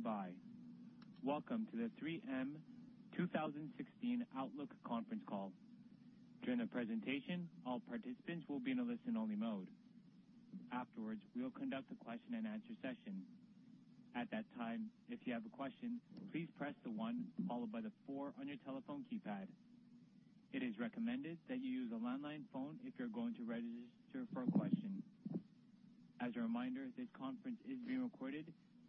Ladies and gentlemen, thank you for standing by. Welcome to the 3M 2016 Outlook Conference Call. During the presentation, all participants will be in a listen-only mode. Afterwards, we'll conduct a question and answer session. At that time, if you have a question, please press the one followed by the four on your telephone keypad. It is recommended that you use a landline phone if you're going to register for a question. As a reminder, this conference is being recorded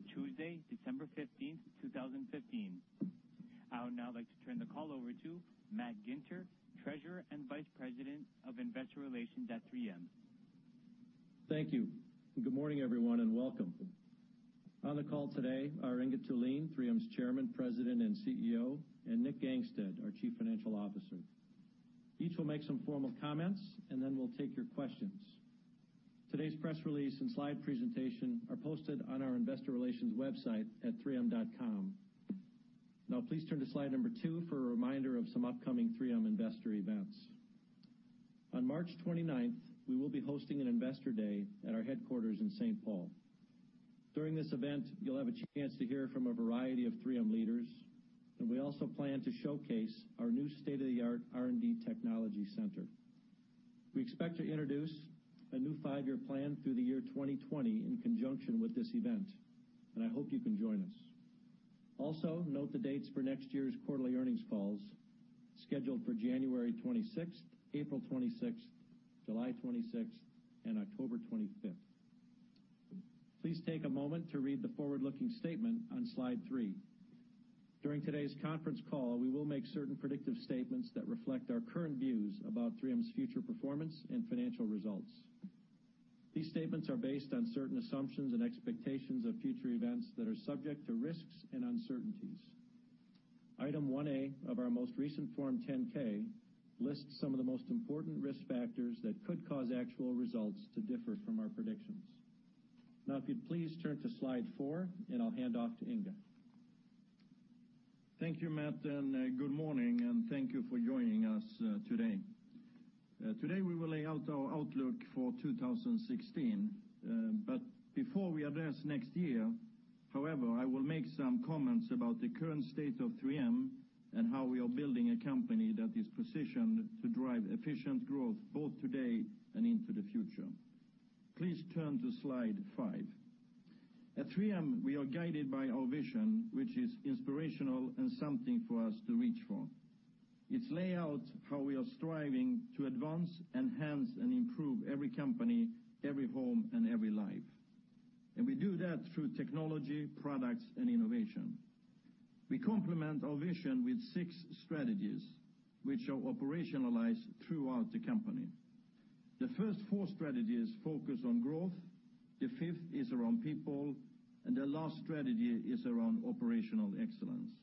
Tuesday, December 15th, 2015. I would now like to turn the call over to Matt Ginter, Treasurer and Vice President of Investor Relations at 3M. Thank you. Good morning, everyone, and welcome. On the call today are Inge Thulin, 3M's Chairman, President, and CEO, and Nick Gangestad, our Chief Financial Officer. Each will make some formal comments, then we'll take your questions. Today's press release and slide presentation are posted on our investor relations website at 3m.com. Please turn to slide number two for a reminder of some upcoming 3M investor events. On March 29th, we will be hosting an investor day at our headquarters in St. Paul. During this event, you'll have a chance to hear from a variety of 3M leaders. We also plan to showcase our new state-of-the-art R&D technology center. We expect to introduce a new five-year plan through the year 2020 in conjunction with this event. I hope you can join us. Note the dates for next year's quarterly earnings calls, scheduled for January 26th, April 26th, July 26th, and October 25th. Please take a moment to read the forward-looking statement on slide three. During today's conference call, we will make certain predictive statements that reflect our current views about 3M's future performance and financial results. These statements are based on certain assumptions and expectations of future events that are subject to risks and uncertainties. Item 1A of our most recent Form 10-K lists some of the most important risk factors that could cause actual results to differ from our predictions. If you'd please turn to slide four, I'll hand off to Inge. Thank you, Matt. Good morning, and thank you for joining us today. Today, we will lay out our outlook for 2016. Before we address next year, however, I will make some comments about the current state of 3M and how we are building a company that is positioned to drive efficient growth both today and into the future. Please turn to slide five. At 3M, we are guided by our vision, which is inspirational and something for us to reach for. It lays out how we are striving to advance, enhance, and improve every company, every home, and every life. We do that through technology, products, and innovation. We complement our vision with six strategies, which are operationalized throughout the company. The first four strategies focus on growth, the fifth is around people, and the last strategy is around operational excellence.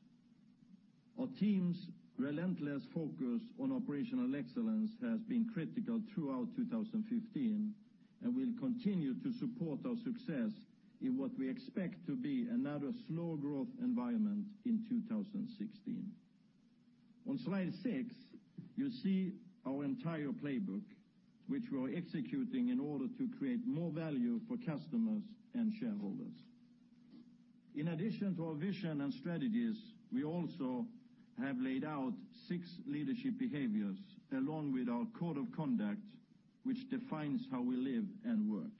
Our team's relentless focus on operational excellence has been critical throughout 2015 and will continue to support our success in what we expect to be another slow growth environment in 2016. On slide six, you see our entire playbook, which we're executing in order to create more value for customers and shareholders. In addition to our vision and strategies, we also have laid out six leadership behaviors, along with our code of conduct, which defines how we live and work.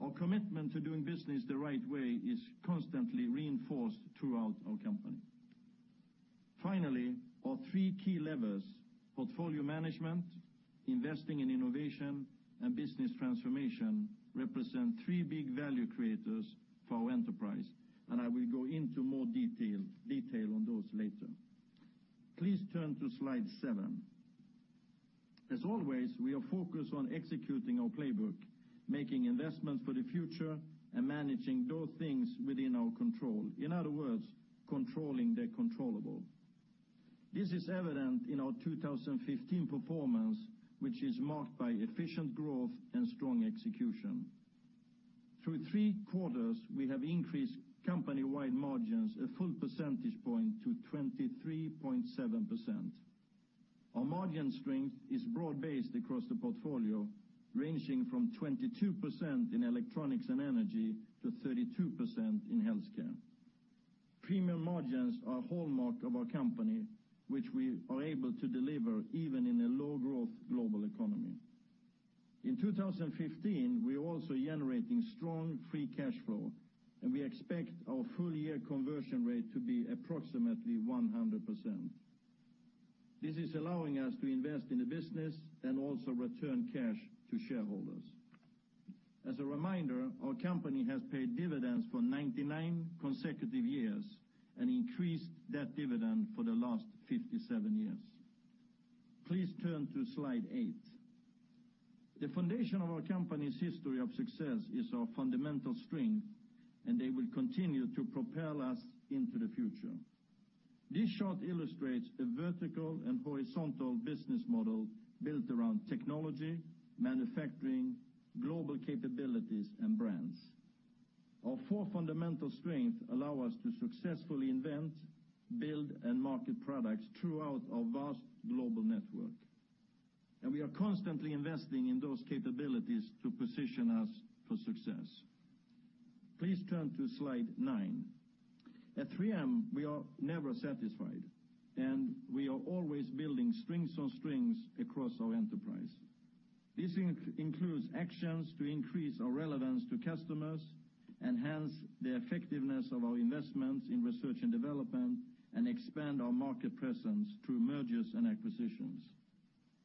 Our commitment to doing business the right way is constantly reinforced throughout our company. Finally, our three key levers, portfolio management, investing in innovation, and business transformation, represent three big value creators for our enterprise, and I will go into more detail on those later. Please turn to slide seven. As always, we are focused on executing our playbook, making investments for the future, and managing those things within our control. In other words, controlling the controllable. This is evident in our 2015 performance, which is marked by efficient growth and strong execution. Through three quarters, we have increased company-wide margins a full percentage point to 23.7%. Our margin strength is broad-based across the portfolio, ranging from 22% in Electronics & Energy to 32% in Health Care. Premium margins are a hallmark of our company, which we are able to deliver even in a low-growth global economy. In 2015, we're also generating strong free cash flow, and we expect our full-year conversion rate to be approximately 100%. This is allowing us to invest in the business and also return cash to shareholders. As a reminder, our company has paid dividends for 99 consecutive years and increased that dividend for the last 57 years. Please turn to slide eight. The foundation of our company's history of success is our fundamental strength, and they will continue to propel us into the future. This chart illustrates a vertical and horizontal business model built around technology, manufacturing, global capabilities, and brands. Our four fundamental strengths allow us to successfully invent, build, and market products throughout our vast global network. We are constantly investing in those capabilities to position us for success. Please turn to slide nine. At 3M, we are never satisfied and we are always building strengths on strengths across our enterprise. This includes actions to increase our relevance to customers, enhance the effectiveness of our investments in research and development, and expand our market presence through mergers and acquisitions.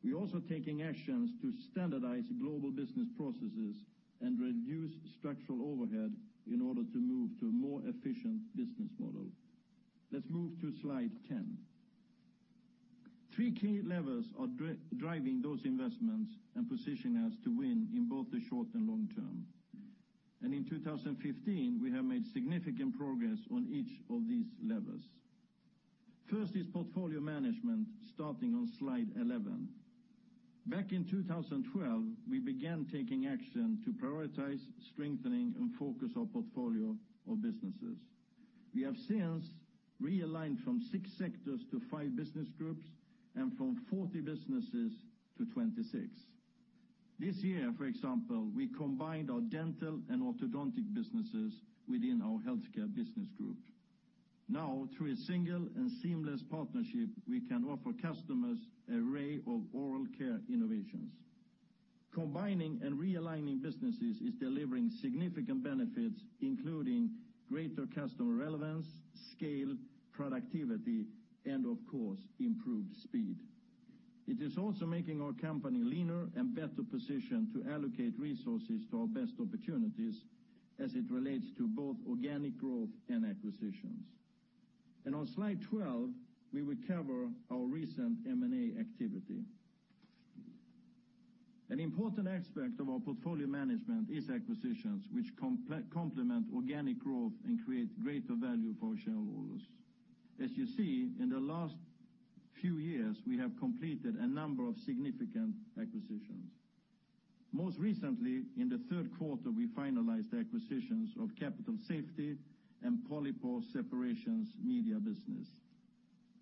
We're also taking actions to standardize global business processes and reduce structural overhead in order to move to a more efficient business model. Let's move to slide 10. Three key levers are driving those investments and position us to win in both the short and long term. In 2015, we have made significant progress on each of these levers. First is portfolio management, starting on slide 11. Back in 2012, we began taking action to prioritize strengthening and focus our portfolio of businesses. We have since realigned from six sectors to five business groups and from 40 businesses to 26. This year, for example, we combined our dental and orthodontic businesses within our Health Care business group. Now, through a single and seamless partnership, we can offer customers an array of oral care innovations. Combining and realigning businesses is delivering significant benefits, including greater customer relevance, scale, productivity, and of course, improved speed. It is also making our company leaner and better positioned to allocate resources to our best opportunities as it relates to both organic growth and acquisitions. On slide 12, we will cover our recent M&A activity. An important aspect of our portfolio management is acquisitions which complement organic growth and create greater value for our shareholders. As you see, in the last few years, we have completed a number of significant acquisitions. Most recently, in the third quarter, we finalized the acquisitions of Capital Safety and Polypore Separations Media business.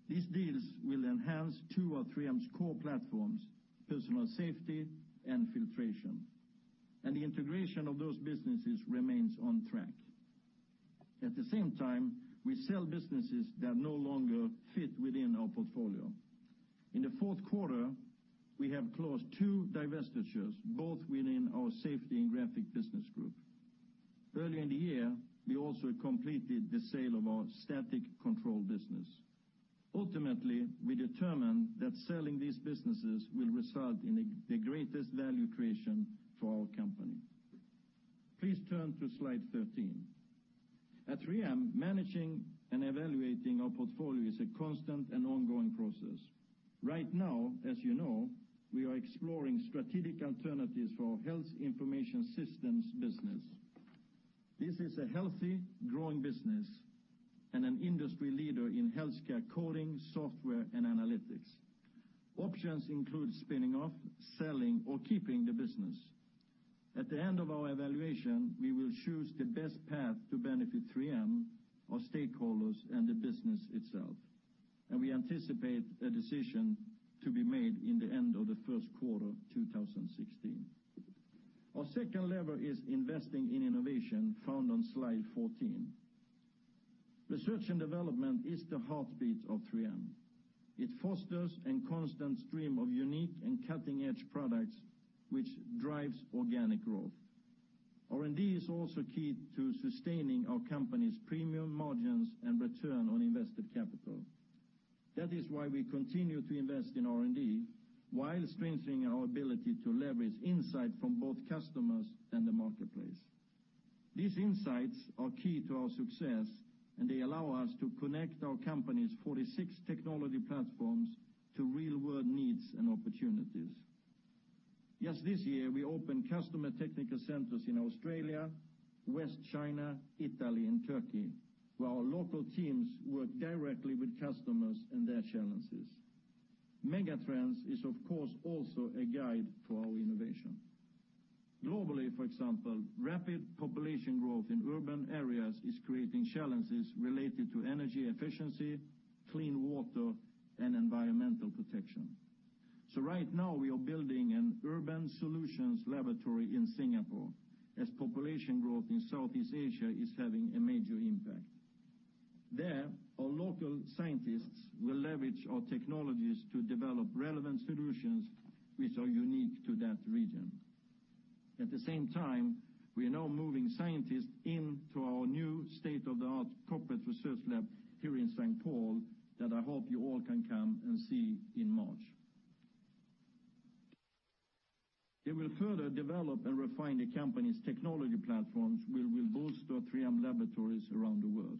These deals will enhance two of 3M's core platforms, personal safety and filtration. The integration of those businesses remains on track. At the same time, we sell businesses that no longer fit within our portfolio. In the fourth quarter, we have closed two divestitures, both within our Safety and Graphics business group. Early in the year, we also completed the sale of our static control business. Ultimately, we determined that selling these businesses will result in the greatest value creation for our company. Please turn to slide 13. At 3M, managing and evaluating our portfolio is a constant and ongoing process. Right now, as you know, we are exploring strategic alternatives for our Health Information Systems business. This is a healthy, growing business and an industry leader in healthcare coding, software, and analytics. Options include spinning off, selling, or keeping the business. At the end of our evaluation, we will choose the best path to benefit 3M, our stakeholders, and the business itself, and we anticipate a decision to be made in the end of the first quarter 2016. Our second lever is investing in innovation, found on slide 14. Research and development is the heartbeat of 3M. It fosters a constant stream of unique and cutting-edge products, which drives organic growth. R&D is also key to sustaining our company's premium margins and return on invested capital. That is why we continue to invest in R&D while strengthening our ability to leverage insight from both customers and the marketplace. These insights are key to our success, and they allow us to connect our company's 46 technology platforms to real-world needs and opportunities. Just this year, we opened customer technical centers in Australia, West China, Italy, and Turkey, where our local teams work directly with customers and their challenges. Megatrends is, of course, also a guide for our innovation. Globally, for example, rapid population growth in urban areas is creating challenges related to energy efficiency, clean water, and environmental protection. Right now, we are building an urban solutions laboratory in Singapore, as population growth in Southeast Asia is having a major impact. There, our local scientists will leverage our technologies to develop relevant solutions which are unique to that region. At the same time, we are now moving scientists into our new state-of-the-art corporate research lab here in St. Paul that I hope you all can come and see in March. They will further develop and refine the company's technology platforms, where we'll boost our 3M laboratories around the world.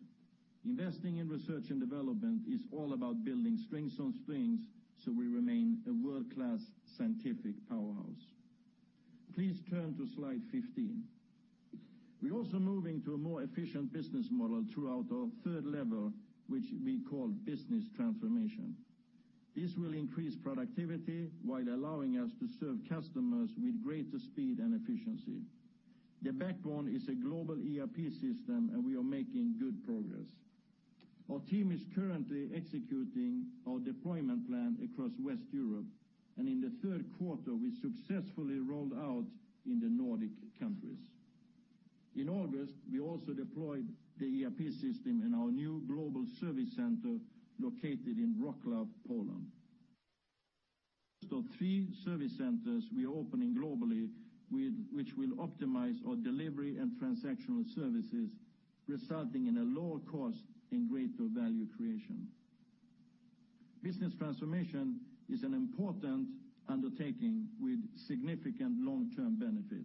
Investing in research and development is all about building strengths on strengths so we remain a world-class scientific powerhouse. Please turn to slide 15. We're also moving to a more efficient business model throughout our third lever, which we call business transformation. This will increase productivity while allowing us to serve customers with greater speed and efficiency. The backbone is a global ERP system, and we are making good progress. Our team is currently executing our deployment plan across West Europe, and in the third quarter, we successfully rolled out in the Nordic countries. In August, we also deployed the ERP system in our new global service center located in Wroclaw, Poland. The three service centers we are opening globally, which will optimize our delivery and transactional services, resulting in a lower cost and greater value creation. Business transformation is an important undertaking with significant long-term benefit.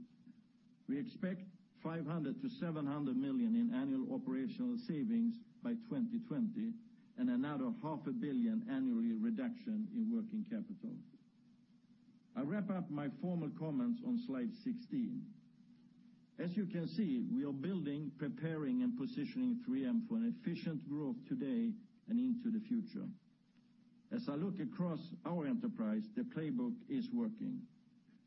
We expect $500 million-$700 million in annual operational savings by 2020 and another half a billion annually reduction in working capital. I wrap up my formal comments on slide 16. As you can see, we are building, preparing, and positioning 3M for an efficient growth today and into the future. As I look across our enterprise, the playbook is working.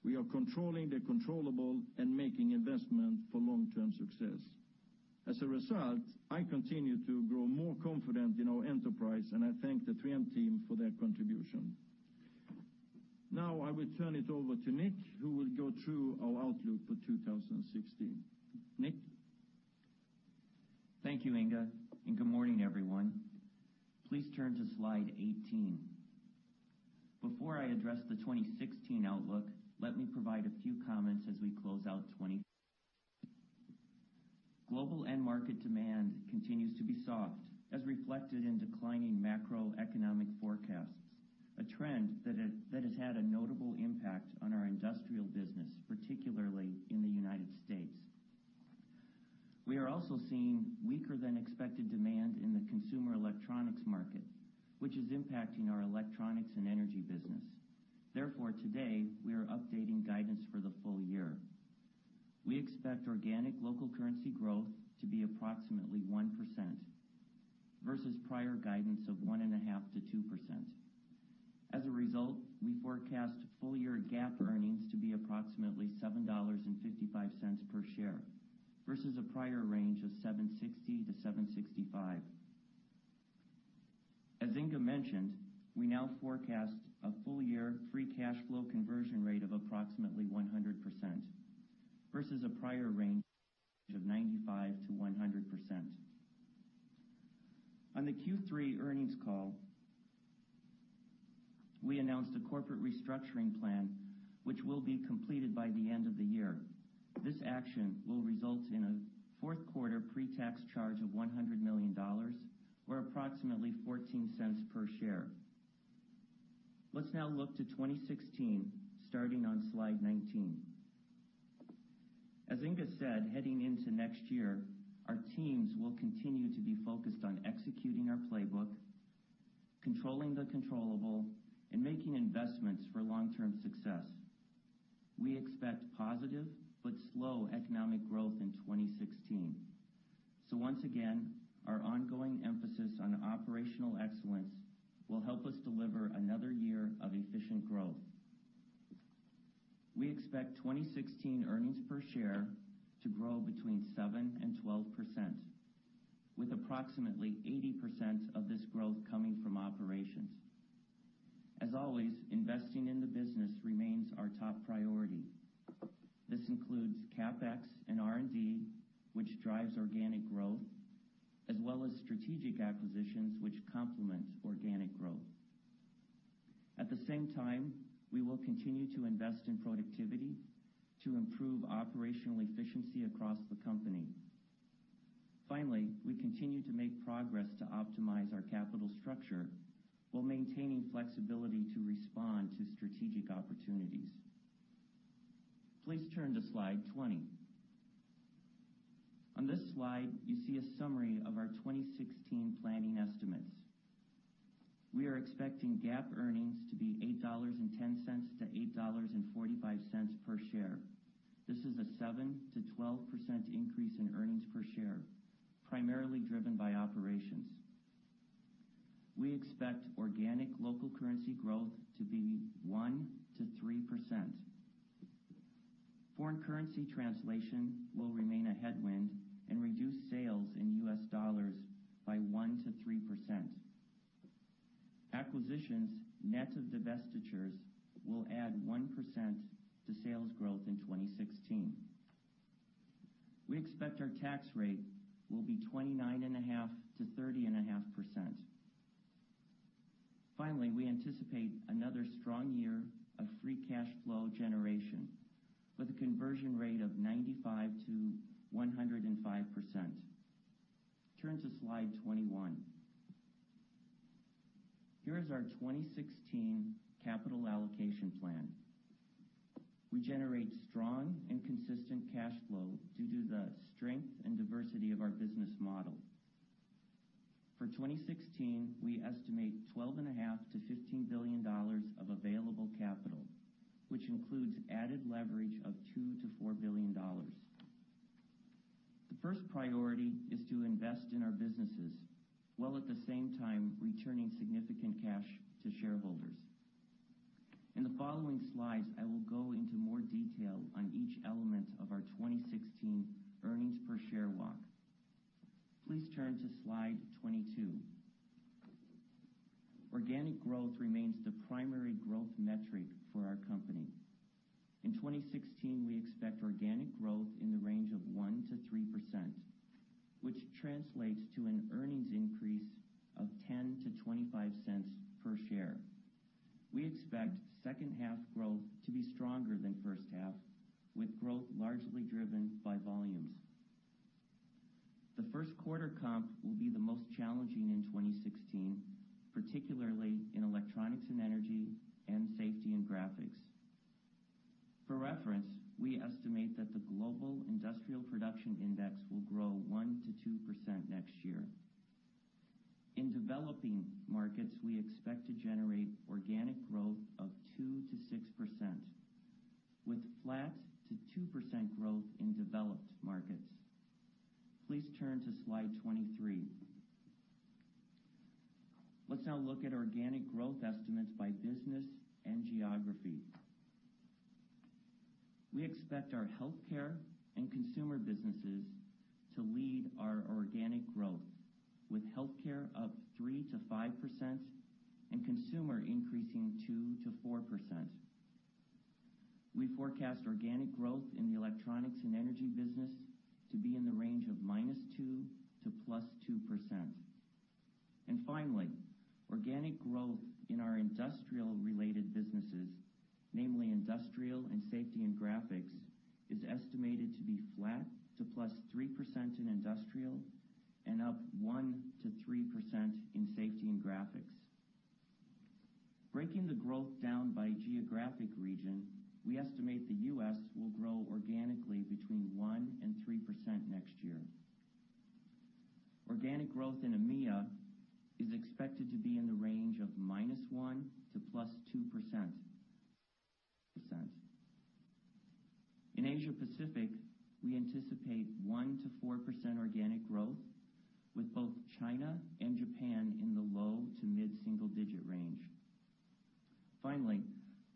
We are controlling the controllable and making investment for long-term success. As a result, I continue to grow more confident in our enterprise, and I thank the 3M team for their contribution. Now, I will turn it over to Nick, who will go through our outlook for 2016. Nick? Thank you, Inge, and good morning, everyone. Please turn to slide 18. Before I address the 2016 outlook, let me provide a few comments as we close out '15. Global end market demand continues to be soft, as reflected in declining macroeconomic forecasts, a trend that has had a notable impact on our Industrial business, particularly in the U.S. We are also seeing weaker than expected demand in the consumer electronics market, which is impacting our Electronics & Energy business. Today, we are updating guidance for the full year. We expect organic local currency growth to be approximately 1% versus prior guidance of 1.5%-2%. As a result, we forecast full-year GAAP earnings to be approximately $7.55 per share versus a prior range of $7.60-$7.65. As Inge mentioned, we now forecast a full-year free cash flow conversion rate of approximately 100% versus a prior range of 95%-100%. On the Q3 earnings call, we announced a corporate restructuring plan which will be completed by the end of the year. This action will result in a fourth-quarter pre-tax charge of $100 million or approximately $0.14 per share. Let's now look to 2016, starting on slide 19. As Inge said, heading into next year, our teams will continue to be focused on executing our playbook, controlling the controllable, and making investments for long-term success. We expect positive but slow economic growth in 2016. Once again, our ongoing emphasis on operational excellence will help us deliver another year of efficient growth. We expect 2016 earnings per share to grow between 7% and 12%, with approximately 80% of this growth coming from operations. As always, investing in the business remains our top priority. This includes CapEx and R&D, which drives organic growth, as well as strategic acquisitions, which complement organic growth. At the same time, we will continue to invest in productivity to improve operational efficiency across the company. Finally, we continue to make progress to optimize our capital structure while maintaining flexibility to respond to strategic opportunities. Please turn to slide 20. On this slide, you see a summary of our 2016 planning estimates. We are expecting GAAP earnings to be $8.10 to $8.45 per share. This is a 7%-12% increase in earnings per share, primarily driven by operations. We expect organic local currency growth to be 1%-3%. Foreign currency translation will remain a headwind and reduce sales in U.S. dollars by 1%-3%. Acquisitions net of divestitures will add 1% to sales growth in 2016. We expect our tax rate will be 29.5%-30.5%. Finally, we anticipate another strong year of free cash flow generation with a conversion rate of 95%-105%. Turn to slide 21. Here is our 2016 capital allocation plan. We generate strong and consistent cash flow due to the strength and diversity of our business model. For 2016, we estimate $12.5 billion to $15 billion of available capital, which includes added leverage of $2 billion to $4 billion. The first priority is to invest in our businesses, while at the same time returning significant cash to shareholders. In the following slides, I will go into more detail on each element of our 2016 earnings per share walk. Please turn to slide 22. Organic growth remains the primary growth metric for our company. In 2016, we expect organic growth in the range of 1%-3%, which translates to an earnings increase of $0.10 to $0.25 per share. We expect second half growth to be stronger than first half, with growth largely driven by volumes. The first quarter comp will be the most challenging in 2016, particularly in Electronics & Energy and Safety and Graphics. For reference, we estimate that the global industrial production index will grow 1%-2% next year. In developing markets, we expect to generate organic growth of 2%-6%, with flat to 2% growth in developed markets. Please turn to slide 23. Let's now look at organic growth estimates by business and geography. We expect our Health Care and Consumer businesses to lead our organic growth, with Health Care up 3%-5% and Consumer increasing 2%-4%. We forecast organic growth in the Electronics & Energy business to be in the range of -2% to +2%. Finally, organic growth in our industrial-related businesses, namely Industrial and Safety and Graphics, is estimated to be flat to +3% in Industrial and up 1%-3% in Safety and Graphics. Breaking the growth down by geographic region, we estimate the U.S. will grow organically between 1% and 3% next year. Organic growth in EMEA is expected to be in the range of -1% to +2%. In Asia Pacific, we anticipate 1%-4% organic growth, with both China and Japan in the low to mid-single digit range. Finally,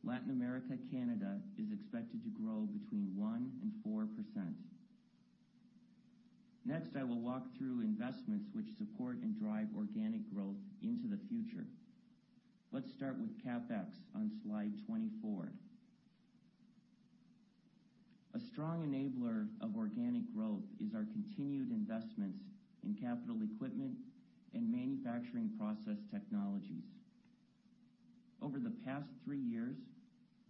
Latin America Canada is expected to grow between 1% and 4%. Next, I will walk through investments which support and drive organic growth into the future. Let's start with CapEx on slide 24. A strong enabler of organic growth is our continued investments in capital equipment and manufacturing process technologies. Over the past three years,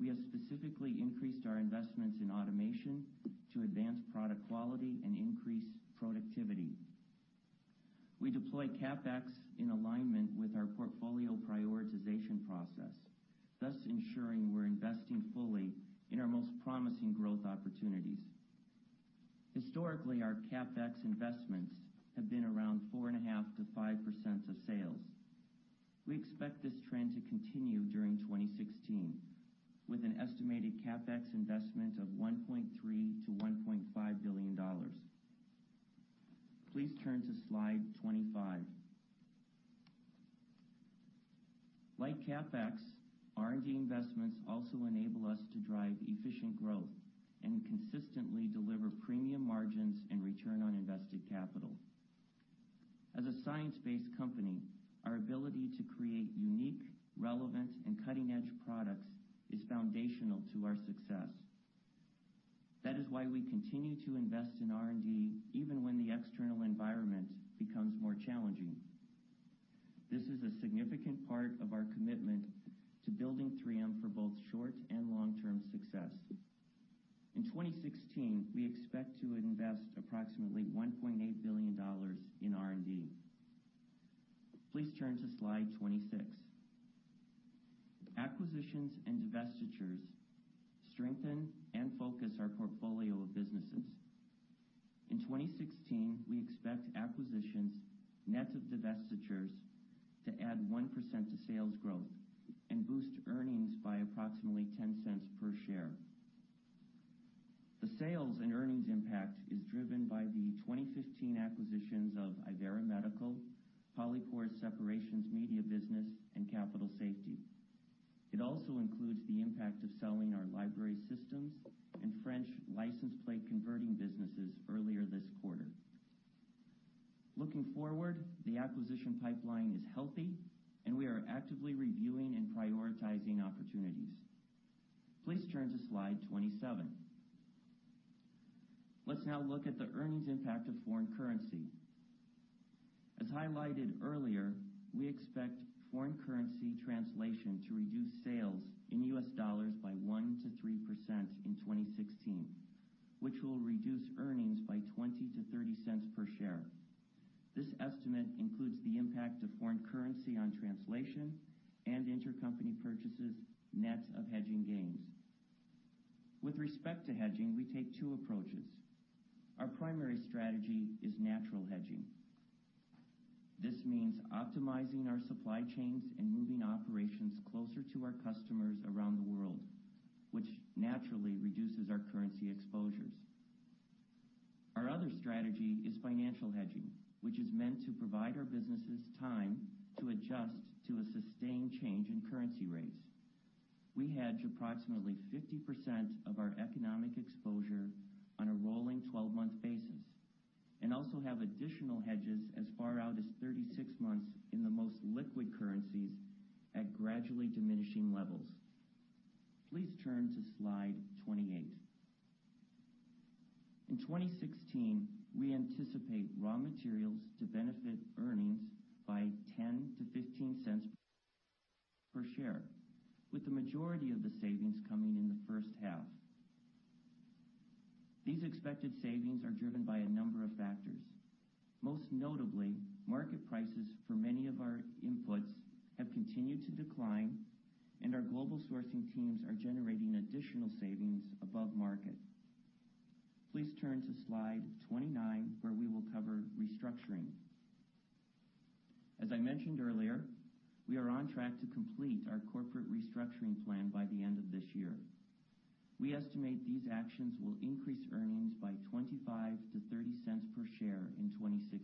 we have specifically increased our investments in automation to advance product quality and increase productivity. We deploy CapEx in alignment with our portfolio prioritization process, thus ensuring we are investing fully in our most promising growth opportunities. Historically, our CapEx investments have been around 4.5%-5% of sales. We expect this trend to continue during 2016, with an estimated CapEx investment of $1.3 billion-$1.5 billion. Please turn to slide 25. Like CapEx, R&D investments also enable us to drive efficient growth and consistently deliver premium margins and return on invested capital. As a science-based company, our ability to create unique, relevant, and cutting-edge products is foundational to our success. That is why we continue to invest in R&D, even when the external environment becomes more challenging. This is a significant part of our commitment to building 3M for both short and long-term success. In 2016, we expect to invest approximately $1.8 billion in R&D. Please turn to slide 26. Acquisitions and divestitures strengthen and focus our portfolio of businesses. In 2016, we expect acquisitions, net of divestitures, to add 1% to sales growth and boost earnings by approximately $0.10 per share. The sales and earnings impact is driven by the 2015 acquisitions of Ivera Medical, Polypore Separations Media business, and Capital Safety. It also includes the impact of selling our Library Systems and French license plate converting businesses earlier this quarter. Looking forward, the acquisition pipeline is healthy and we are actively reviewing and prioritizing opportunities. Please turn to slide 27. Let's now look at the earnings impact of foreign currency. As highlighted earlier, we expect foreign currency translation to reduce sales in U.S. dollars by 1%-3% in 2016, which will reduce earnings by $0.20-$0.30 per share. This estimate includes the impact of foreign currency on translation and intercompany purchases, net of hedging gains. With respect to hedging, we take two approaches. Our primary strategy is natural hedging. This means optimizing our supply chains and moving operations closer to our customers around the world naturally reduces our currency exposures. Our other strategy is financial hedging, which is meant to provide our businesses time to adjust to a sustained change in currency rates. We hedge approximately 50% of our economic exposure on a rolling 12-month basis and also have additional hedges as far out as 36 months in the most liquid currencies at gradually diminishing levels. Please turn to slide 28. In 2016, we anticipate raw materials to benefit earnings by $0.10-$0.15 per share, with the majority of the savings coming in the first half. These expected savings are driven by a number of factors. Most notably, market prices for many of our inputs have continued to decline, and our global sourcing teams are generating additional savings above market. Please turn to slide 29, where we will cover restructuring. As I mentioned earlier, we are on track to complete our corporate restructuring plan by the end of this year. We estimate these actions will increase earnings by $0.25-$0.30 per share in 2016.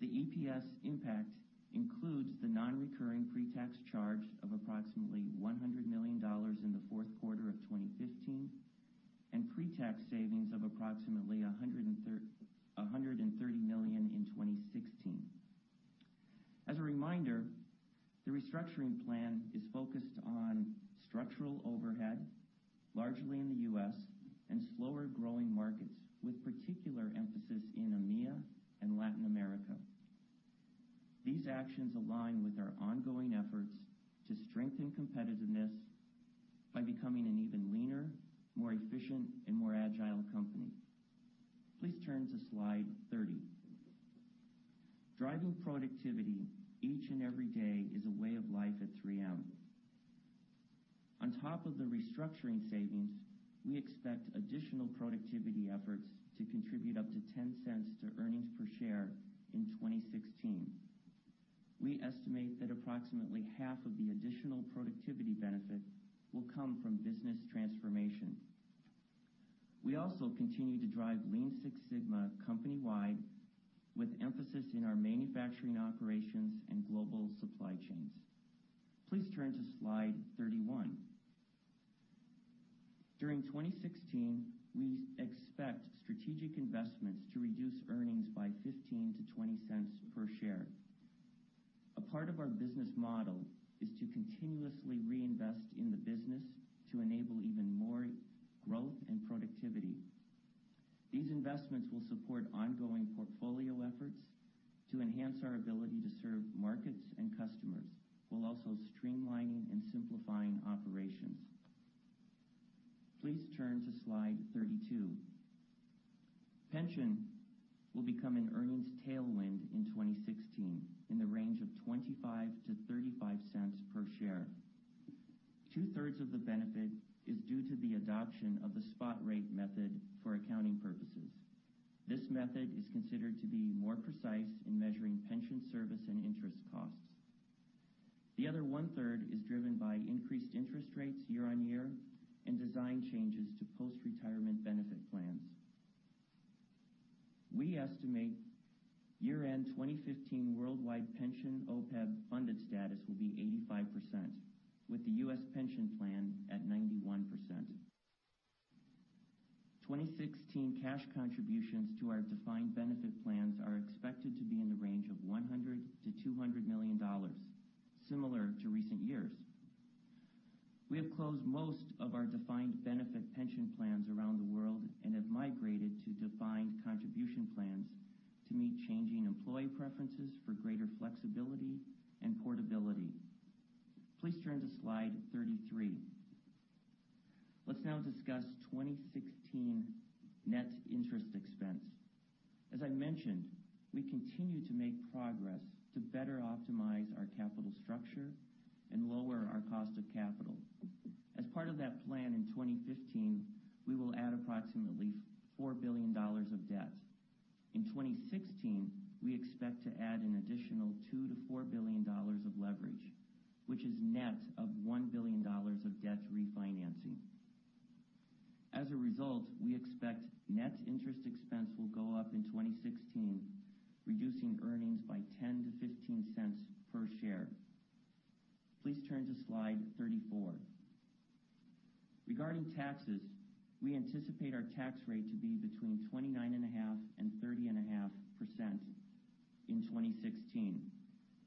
The EPS impact includes the non-recurring pre-tax charge of approximately $100 million in the fourth quarter of 2015 and pre-tax savings of approximately $130 million in 2016. As a reminder, the restructuring plan is focused on structural overhead, largely in the U.S. and slower-growing markets, with particular emphasis in EMEA and Latin America. These actions align with our ongoing efforts to strengthen competitiveness by becoming an even leaner, more efficient, and more agile company. Please turn to slide 30. Driving productivity each and every day is a way of life at 3M. On top of the restructuring savings, we expect additional productivity efforts to contribute up to $0.10 to earnings per share in 2016. We estimate that approximately half of the additional productivity benefit will come from business transformation. We also continue to drive Lean Six Sigma company-wide, with emphasis in our manufacturing operations and global supply chains. Please turn to slide 31. During 2016, we expect strategic investments to reduce earnings by $0.15-$0.20 per share. A part of our business model is to continuously reinvest in the business to enable even more growth and productivity. These investments will support ongoing portfolio efforts to enhance our ability to serve markets and customers, while also streamlining and simplifying operations. Please turn to slide 32. Pension will become an earnings tailwind in 2016 in the range of $0.25-$0.35 per share. Two-thirds of the benefit is due to the adoption of the spot rate method for accounting purposes. This method is considered to be more precise in measuring pension service and interest costs. The other one-third is driven by increased interest rates year on year and design changes to post-retirement benefit plans. We estimate year-end 2015 worldwide pension OPEB funded status will be 85%, with the U.S. pension plan at 91%. 2016 cash contributions to our defined benefit plans are expected to be in the range of $100 million-$200 million, similar to recent years. We have closed most of our defined benefit pension plans around the world and have migrated to defined contribution plans to meet changing employee preferences for greater flexibility and portability. Please turn to slide 33. Let's now discuss 2016 net interest expense. As I mentioned, we continue to make progress to better optimize our capital structure and lower our cost of capital. As part of that plan in 2015, we will add approximately $4 billion of debt. In 2016, we expect to add an additional $2 billion-$4 billion of leverage, which is net of $1 billion of debt refinancing. As a result, we expect net interest expense will go up in 2016, reducing earnings by $0.10-$0.15 per share. Please turn to slide 34. Regarding taxes, we anticipate our tax rate to be between 29.5% and 30.5% in 2016.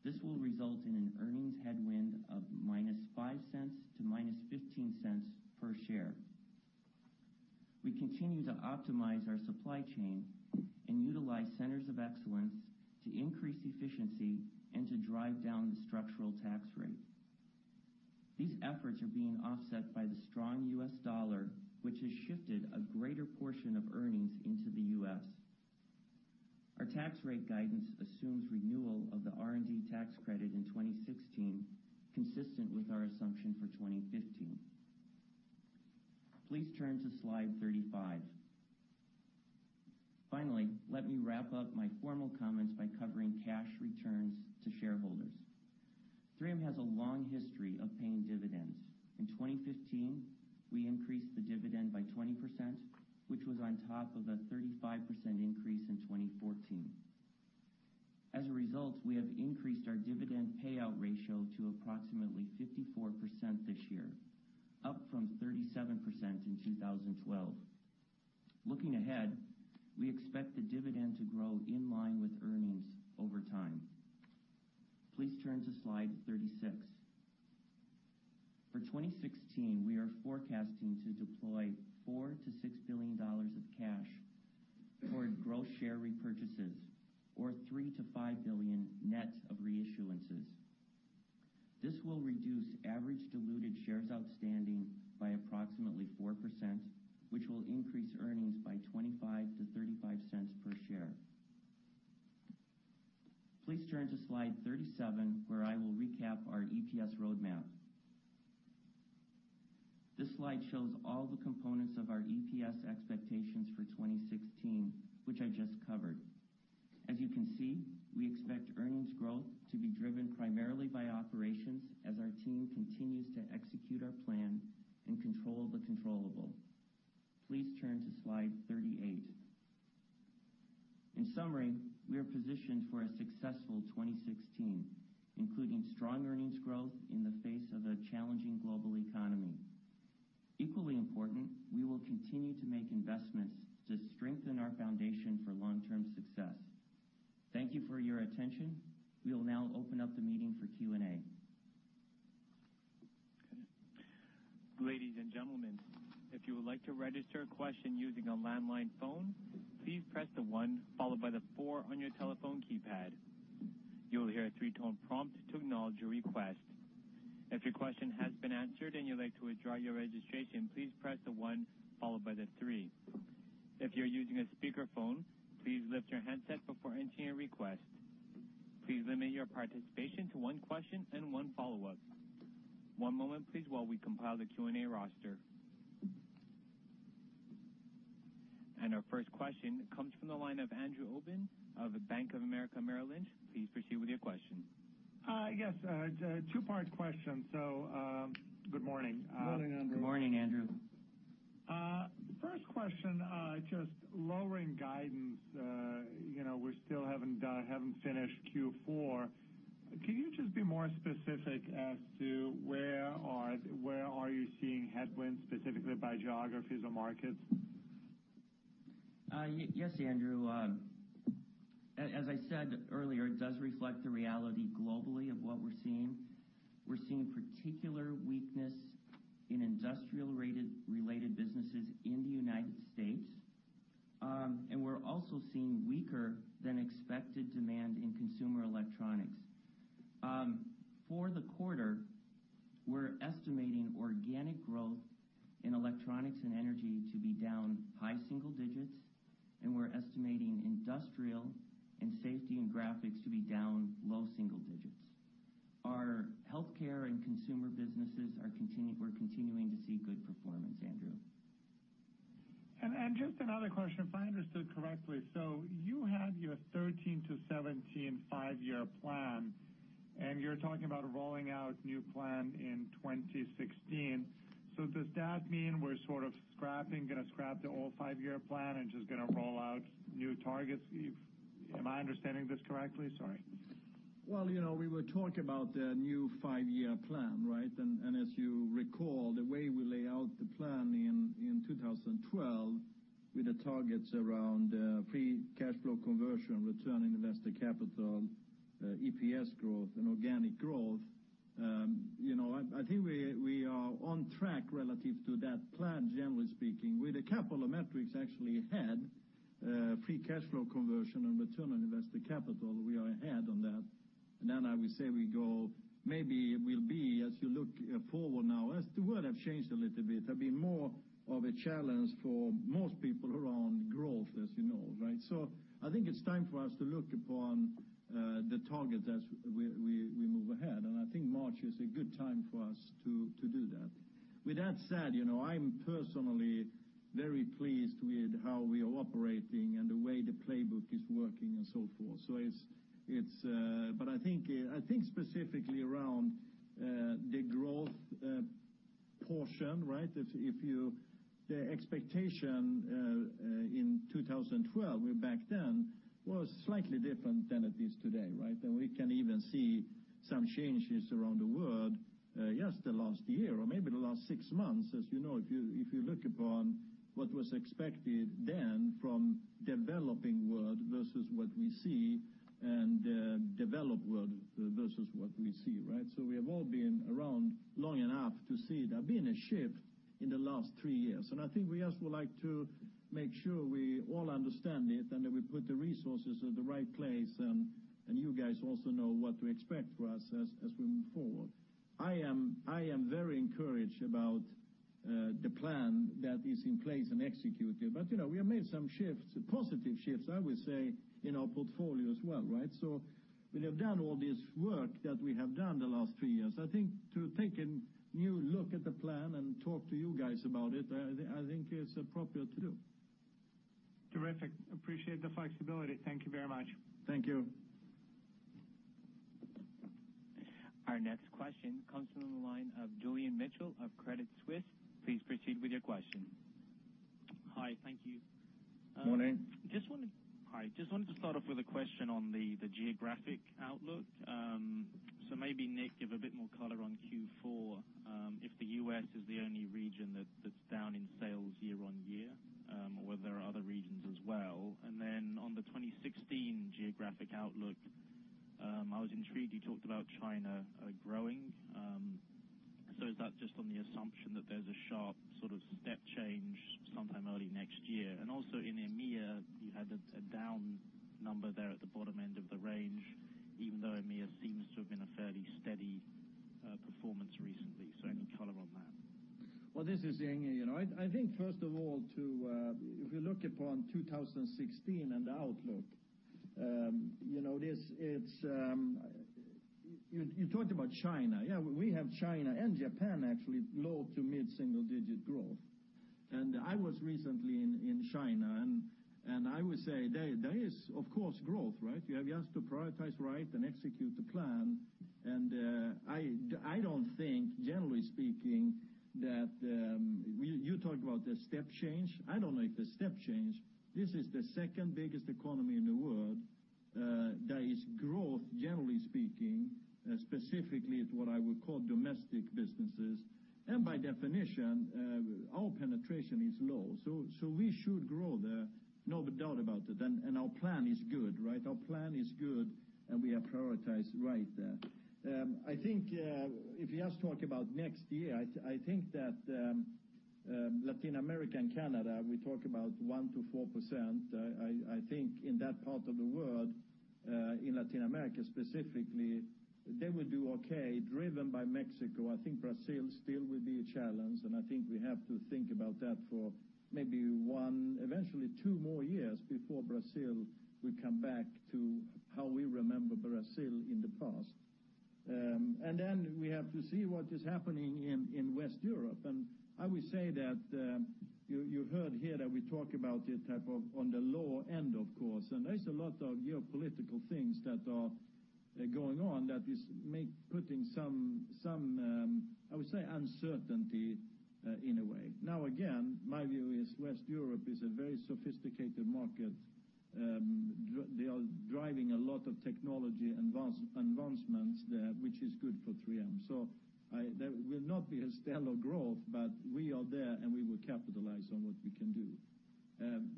This will result in an earnings headwind of -$0.05 to -$0.15 per share. We continue to optimize our supply chain and utilize centers of excellence to increase efficiency and to drive down the structural tax rate. These efforts are being offset by the strong U.S. dollar, which has shifted a greater portion of earnings into the U.S. Our tax rate guidance assumes renewal of the R&D tax credit in 2016, consistent with our assumption for 2015. Please turn to slide 35. Finally, let me wrap up my formal comments by covering cash returns to shareholders. 3M has a long history of paying dividends. In 2015, we increased the dividend by 20%, which was on top of a 35% increase in 2014. As a result, we have increased our dividend payout ratio to approximately 54% this year, up from 37% in 2012. Looking ahead, we expect the dividend to grow in line with earnings over time. Please turn to Slide 36. For 2016, we are forecasting to deploy $4 billion-$6 billion of cash toward gross share repurchases, or $3 billion-$5 billion net of reissuances. This will reduce average diluted shares outstanding by approximately 4%, which will increase earnings by $0.25-$0.35 per share. Please turn to Slide 37, where I will recap our EPS roadmap. This slide shows all the components of our EPS expectations for 2016, which I just covered. As you can see, we expect earnings growth to be driven primarily by operations as our team continues to execute our plan and control the controllable. Please turn to Slide 38. In summary, we are positioned for a successful 2016, including strong earnings growth in the face of a challenging global economy. Equally important, we will continue to make investments to strengthen our foundation for long-term success. Thank you for your attention. We will now open up the meeting for Q&A. Ladies and gentlemen, if you would like to register a question using a landline phone, please press the one followed by the four on your telephone keypad. You will hear a three-tone prompt to acknowledge your request. If your question has been answered and you'd like to withdraw your registration, please press the one followed by the three. If you're using a speakerphone, please lift your handset before entering your request. Please limit your participation to one question and one follow-up. One moment, please, while we compile the Q&A roster. Our first question comes from the line of Andrew Obin of Bank of America Merrill Lynch. Please proceed with your question. Yes. Two-part question. Good morning. Good morning, Andrew. Morning, Andrew. First question. Just lowering guidance. We still haven't finished Q4. Can you just be more specific as to where are you seeing headwinds, specifically by geographies or markets? Yes, Andrew. As I said earlier, it does reflect the reality globally of what we're seeing. We're seeing particular weakness in industrial-related businesses in the U.S. We're also seeing weaker than expected demand in consumer electronics. For the quarter, we're estimating organic growth in Electronics & Energy to be down high single digits, and we're estimating Industrial and Safety and Graphics to be down low single digits. Our Health Care and Consumer businesses, we're continuing to see good performance, Andrew. Just another question, if I understood correctly. You had your 2013 to 2017 five-year plan, and you're talking about rolling out new plan in 2016. Does that mean we're sort of scrapping the old five-year plan and just going to roll out new targets? Am I understanding this correctly? Sorry. Well, we were talking about the new five-year plan, right? As you recall, the way we lay out the plan in 2012 with the targets around free cash flow conversion, return on invested capital, EPS growth, and organic growth. I think we are on track relative to that plan, generally speaking. With a couple of metrics actually ahead, free cash flow conversion and return on invested capital, we are ahead on that. I would say as you look forward now, as the world has changed a little bit. There'll be more of a challenge for most people around growth, as you know, right? I think it's time for us to look upon the target as we move ahead. I think March is a good time for us to do that. With that said, I'm personally very pleased with how we are operating and the way the playbook is working and so forth. I think specifically around the growth portion, right? The expectation in 2012 back then was slightly different than it is today, right? We can even see some changes around the world just the last year or maybe the last six months. As you know, if you look upon what was expected then from developing world versus what we see and developed world versus what we see, right? We have all been around long enough to see there's been a shift in the last three years. I think we also would like to make sure we all understand it and that we put the resources at the right place and you guys also know what to expect for us as we move forward. I am very encouraged about the plan that is in place and executed. We have made some shifts, positive shifts, I would say, in our portfolio as well, right? We have done all this work that we have done the last three years. I think to take a new look at the plan and talk to you guys about it, I think it's appropriate to do. Terrific. Appreciate the flexibility. Thank you very much. Thank you. Our next question comes from the line of Julian Mitchell of Credit Suisse. Please proceed with your question. Hi, thank you. Morning. Just wanted to start off with a question on the geographic outlook. Maybe Nick, give a bit more color on Q4, if the U.S. is the only region that's down in sales year-on-year, or whether there are other regions as well. On the 2016 geographic outlook, I was intrigued you talked about China growing. Is that just on the assumption that there's a sharp step change sometime early next year? Also in EMEA, you had a down number there at the bottom end of the range, even though EMEA seems to have been a fairly steady performance recently. Any color on that? Well, this is Inge. I think first of all, if you look upon 2016 and the outlook, you talked about China. Yeah, we have China and Japan actually low to mid-single digit growth. I was recently in China, and I would say there is, of course, growth, right? You have just to prioritize right and execute the plan. I don't think, generally speaking, that you talked about the step change. I don't know if the step change. This is the second-biggest economy in the world. There is growth, generally speaking, specifically at what I would call domestic businesses. By definition, our penetration is low. We should grow there, no doubt about it. Our plan is good, right? Our plan is good, and we have prioritized right there. I think, if you ask, talk about next year, I think that Latin America and Canada, we talk about 1%-4%. I think in that part of the world, in Latin America specifically, they will do okay, driven by Mexico. I think Brazil still will be a challenge, and I think we have to think about that for maybe one, eventually two more years before Brazil will come back to how we remember Brazil in the past. We have to see what is happening in West Europe. I would say that, you heard here that we talk about the type of, on the low end, of course. There's a lot of geopolitical things that are going on that is putting some, I would say, uncertainty in a way. Again, my view is West Europe is a very sophisticated market. They are driving a lot of technology advancements there, which is good for 3M. That will not be a stellar growth, but we are there, and we will capitalize on what we can do.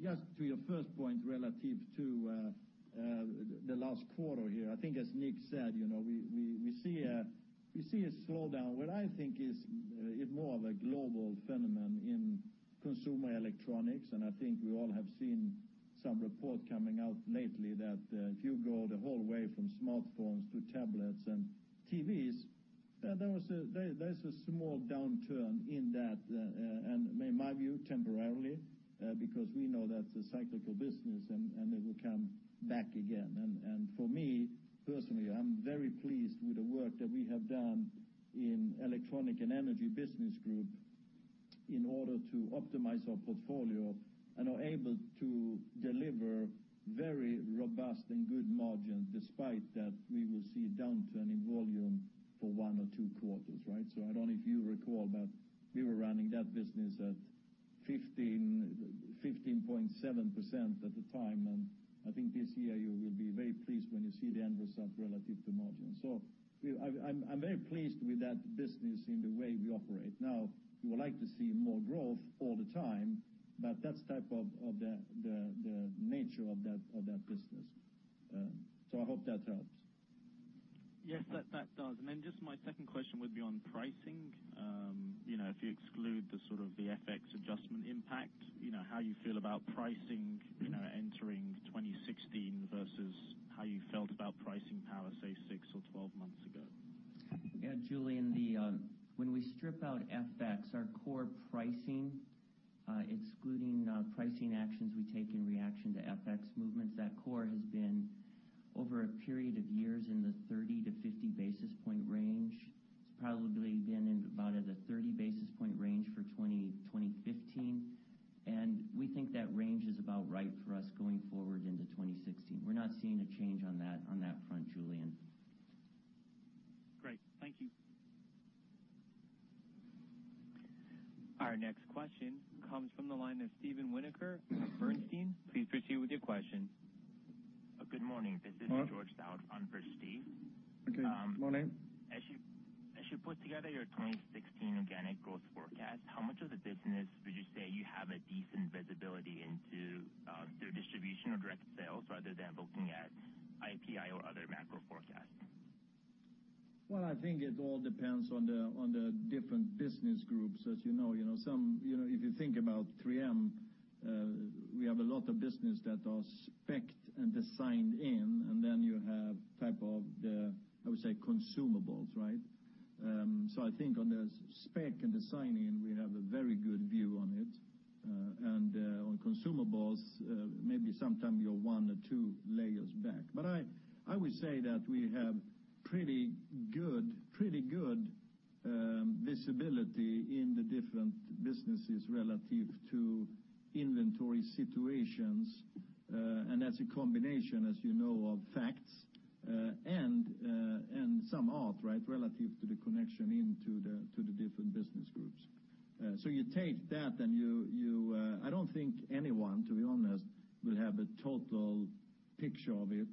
Just to your first point relative to the last quarter here, I think as Nick said, we see a slowdown, what I think is more of a global phenomenon in consumer electronics. I think we all have seen some report coming out lately that, if you go the whole way from smartphones to tablets and TVs, there's a small downturn in that, and in my view, temporarily, because we know that's a cyclical business, and it will come back again. For me, personally, I'm very pleased with the work that we have done in Electronics & Energy business group in order to optimize our portfolio and are able to deliver very robust and good margins, despite that we will see a downturn in volume for one or two quarters, right. I don't know if you recall, but we were running that business at 15.7% at the time, and I think this year, you will be very pleased when you see the end result relative to margins. I'm very pleased with that business in the way we operate. We would like to see more growth all the time, but that's the type of the nature of that business. I hope that helps. Yes, that does. Just my second question would be on pricing. If you exclude the sort of the FX adjustment impact, how you feel about pricing entering 2016 versus how you felt about pricing power, say, 6 or 12 months ago. Julian, when we strip out FX, our core pricing, excluding pricing actions we take in reaction to FX movements, that core has been over a period of years in the 30 to 50 basis point range. It's probably been in about at a 30 basis point range for 2015. We think that range is about right for us going forward into 2016. We're not seeing a change on that front, Julian. Great. Thank you. Our next question comes from the line of Steven Winoker from Bernstein. Please proceed with your question. Good morning. This is George Morning. Stout on for Steve. Okay. Morning. As you put together your 2016 organic growth forecast, how much of the business would you say you have a decent visibility into through distribution or direct sales, rather than looking at IPI or other macro forecasts? I think it all depends on the different business groups. As you know, if you think about 3M, we have a lot of business that are specced and designed in, and then you have type of the, I would say, consumables, right? I think on the spec and designing, we have a very good view on it. On consumables, maybe sometime you're one or two layers back. I would say that we have pretty good visibility in the different businesses relative to inventory situations, and that's a combination, as you know, of facts, and some art, right, relative to the connection into the different business groups. You take that and I don't think anyone, to be honest, will have a total picture of it,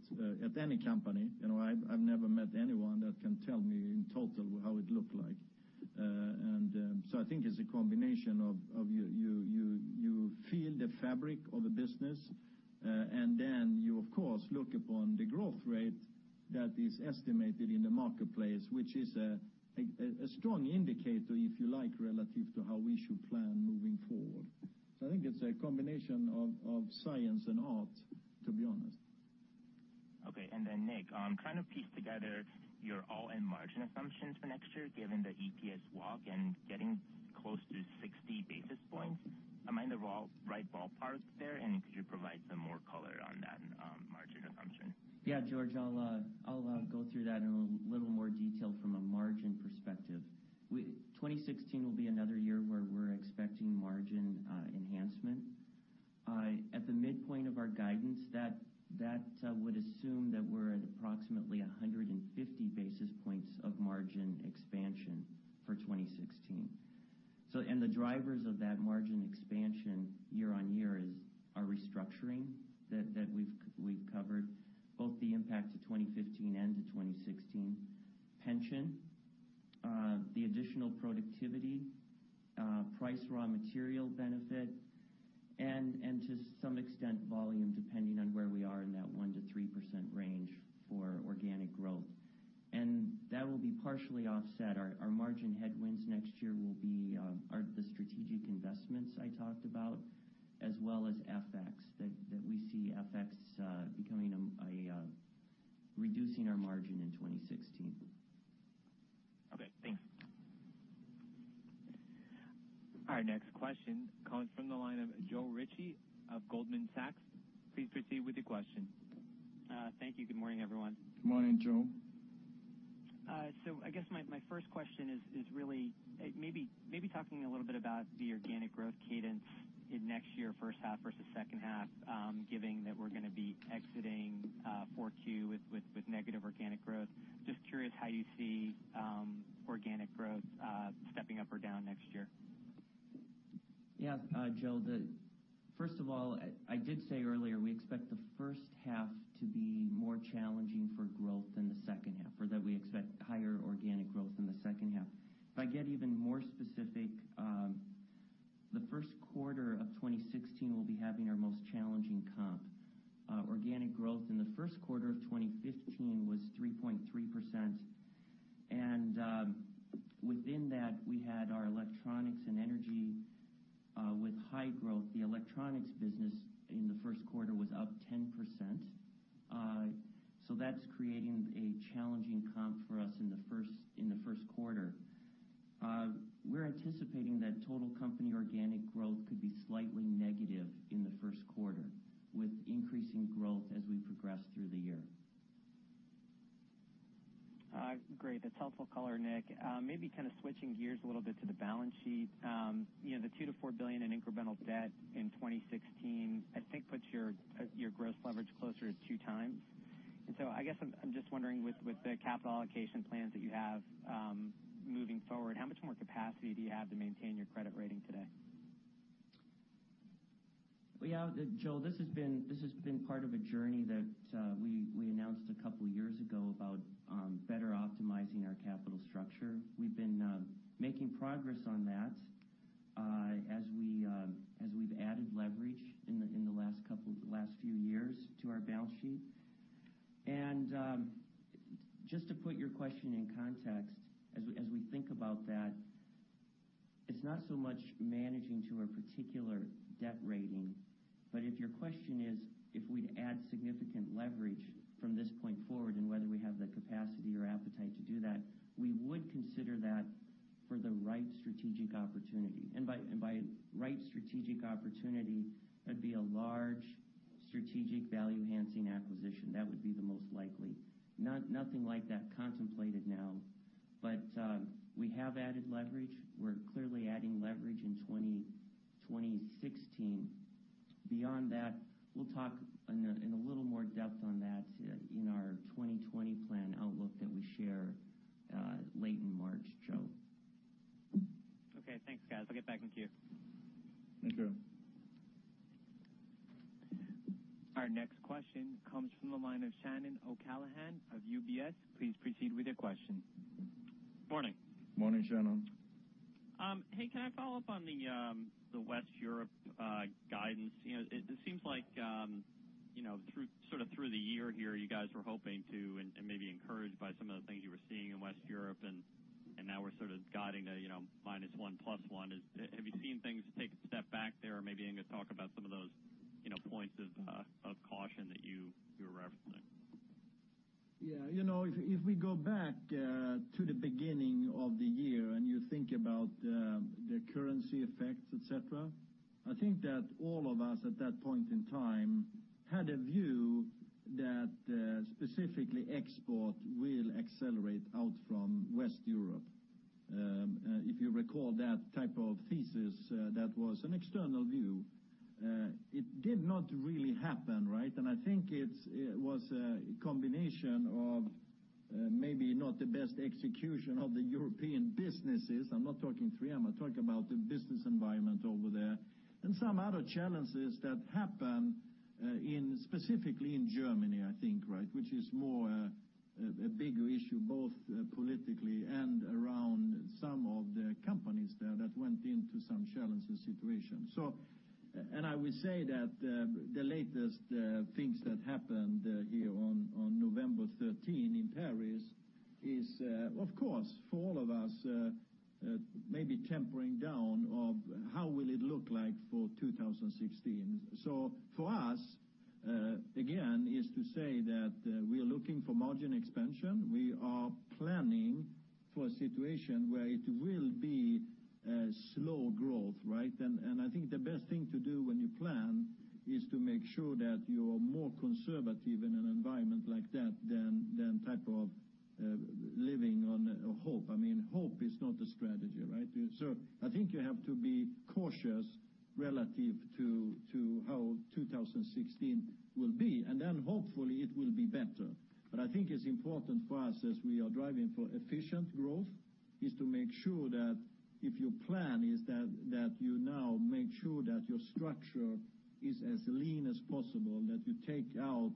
at any company. I've never met anyone that can tell me in total how it look like. I think it's a combination of you feel the fabric of the business, and then you, of course, look upon the growth rate that is estimated in the marketplace, which is a strong indicator, if you like, relative to how we should plan moving forward. I think it's a combination of science and art, to be honest. Okay, Nick, trying to piece together your all-in margin assumptions for next year, given the EPS walk and getting close to 60 basis points. Am I in the right ballpark there? Could you provide some more color on that margin assumption? George, I'll go through that in a little more detail from a margin perspective. 2016 will be another year where we're expecting margin enhancement. At the midpoint of our guidance, that would assume that we're at approximately 150 basis points of margin expansion for 2016. The drivers of that margin expansion year-on-year is our restructuring that we've covered, both the impact to 2015 and to 2016. Pension, the additional productivity, price raw material benefit, and to some extent, volume, depending on where we are in that 1%-3% range for organic growth. That will be partially offset. Our margin headwinds next year will be the strategic investments I talked about, as well as FX, that we see FX reducing our margin in 2016. Okay, thanks. Our next question comes from the line of Joe Ritchie of Goldman Sachs. Please proceed with your question. Thank you. Good morning, everyone. Good morning, Joe. I guess my first question is really maybe talking a little bit about the organic growth cadence in next year first half versus second half, giving that we're going to be exiting 4Q with negative organic growth. Just curious how you see organic growth stepping up or down next year. Yeah. Joe, first of all, I did say earlier we expect the first half to be more challenging for growth than the second half, or that we expect higher organic growth in the second half. If I get even more specific, the first quarter of 2016 will be having our most challenging comp. Organic growth in the first quarter of 2015 was 3.3%, and within that, we had our Electronics & Energy with high growth. The electronics business in the first quarter was up 10%. That's creating a challenging comp for us in the first quarter. We're anticipating that total company organic growth could be slightly negative in the first quarter, with increasing growth as we progress through the year. Great. That's helpful color, Nick. Maybe kind of switching gears a little bit to the balance sheet. The $2 billion-$4 billion in incremental debt in 2016, I think, puts your gross leverage closer to two times. I guess I'm just wondering with the capital allocation plans that you have moving forward, how much more capacity do you have to maintain your credit rating today? Yeah. Joe, this has been part of a journey that, we announced 2 years ago about better optimizing our capital structure. We've been making progress on that, as we've added leverage in the last few years to our balance sheet. Just to put your question in context, as we think about that, it's not so much managing to a particular debt rating, but if your question is, if we'd add significant leverage from this point forward and whether we have the capacity or appetite to do that, we would consider that for the right strategic opportunity. By right strategic opportunity, it'd be a large strategic value-enhancing acquisition. That would be the most likely. Nothing like that contemplated now, but we have added leverage. We're clearly adding leverage in 2016. Beyond that, we'll talk in a little more depth on that in our 2020 plan outlook that we share late in March, Joe. Okay. Thanks, guys. I'll get back in queue. Thank you. Our next question comes from the line of Shannon O'Callaghan of UBS. Please proceed with your question. Morning. Morning, Shannon. Hey, can I follow up on the West Europe guidance? You know, it seems like, you know, sort of through the year here, you guys were hoping to and maybe encouraged by some of the things you were seeing in West Europe and now we're sort of guiding to, you know, -1% to +1%. Have you seen things take a step back there or maybe, Inge, talk about some of those, you know, points of caution that you were referencing? Yeah, you know, if we go back to the beginning of the year. Think about the currency effects, et cetera. I think that all of us at that point in time had a view that specifically export will accelerate out from West Europe. If you recall that type of thesis, that was an external view. It did not really happen, right? I think it was a combination of maybe not the best execution of the European businesses. I'm not talking 3M, I'm talking about the business environment over there, and some other challenges that happened specifically in Germany, I think, right? Which is more a bigger issue, both politically and around some of the companies there that went into some challenging situations. I will say that the latest things that happened here on November 13 in Paris is, of course, for all of us, maybe tempering down of how will it look like for 2016. For us, again, is to say that we are looking for margin expansion. We are planning for a situation where it will be slow growth, right? I think the best thing to do when you plan is to make sure that you are more conservative in an environment like that than type of living on hope. Hope is not a strategy, right? I think you have to be cautious relative to how 2016 will be, and then hopefully it will be better. I think it's important for us as we are driving for efficient growth, is to make sure that if your plan is that you now make sure that your structure is as lean as possible, that you take out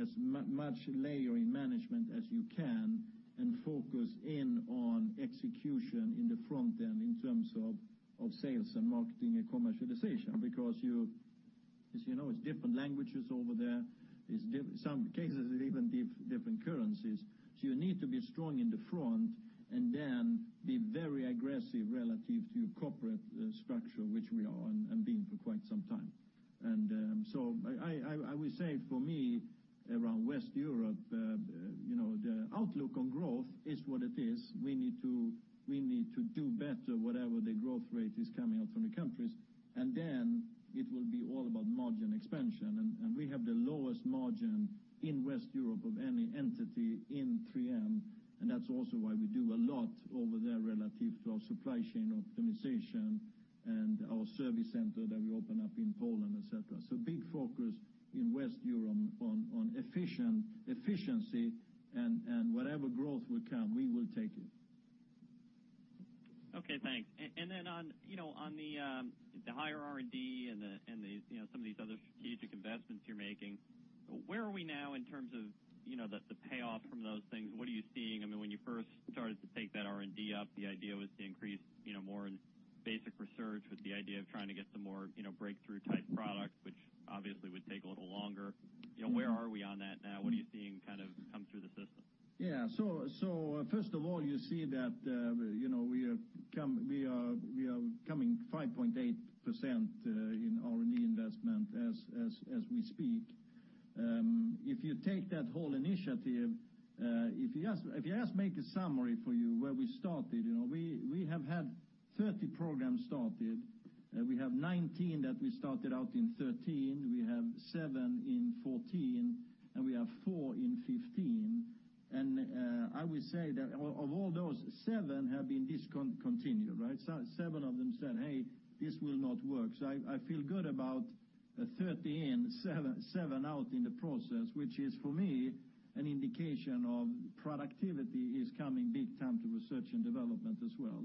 as much layering management as you can and focus in on execution in the front end in terms of sales and marketing and commercialization. As you know, it's different languages over there. In some cases, it even different currencies. You need to be strong in the front and then be very aggressive relative to your corporate structure, which we are and been for quite some time. I will say for me, around West Europe, the outlook on growth is what it is. We need to do better whatever the growth rate is coming out from the countries. It will be all about margin expansion and we have the lowest margin in West Europe of any entity in 3M, and that's also why we do a lot over there relative to our supply chain optimization and our service center that we open up in Poland, et cetera. Big focus in West Europe on efficiency and whatever growth will come, we will take it. Okay, thanks. On the higher R&D and some of these other strategic investments you're making, where are we now in terms of the payoff from those things? What are you seeing? When you first started to take that R&D up, the idea was to increase more in basic research with the idea of trying to get some more breakthrough type products, which obviously would take a little longer. Where are we on that now? What are you seeing kind of come through the system? First of all, you see that we are coming 5.8% in R&D investment as we speak. If you take that whole initiative, if I just make a summary for you where we started. We have had 30 programs started. We have 19 that we started out in 2013. We have seven in 2014, and we have four in 2015. I will say that of all those, seven have been discontinued, right? Seven of them said, "Hey, this will not work." I feel good about 13, seven out in the process, which is for me an indication of productivity is coming big time to R&D as well.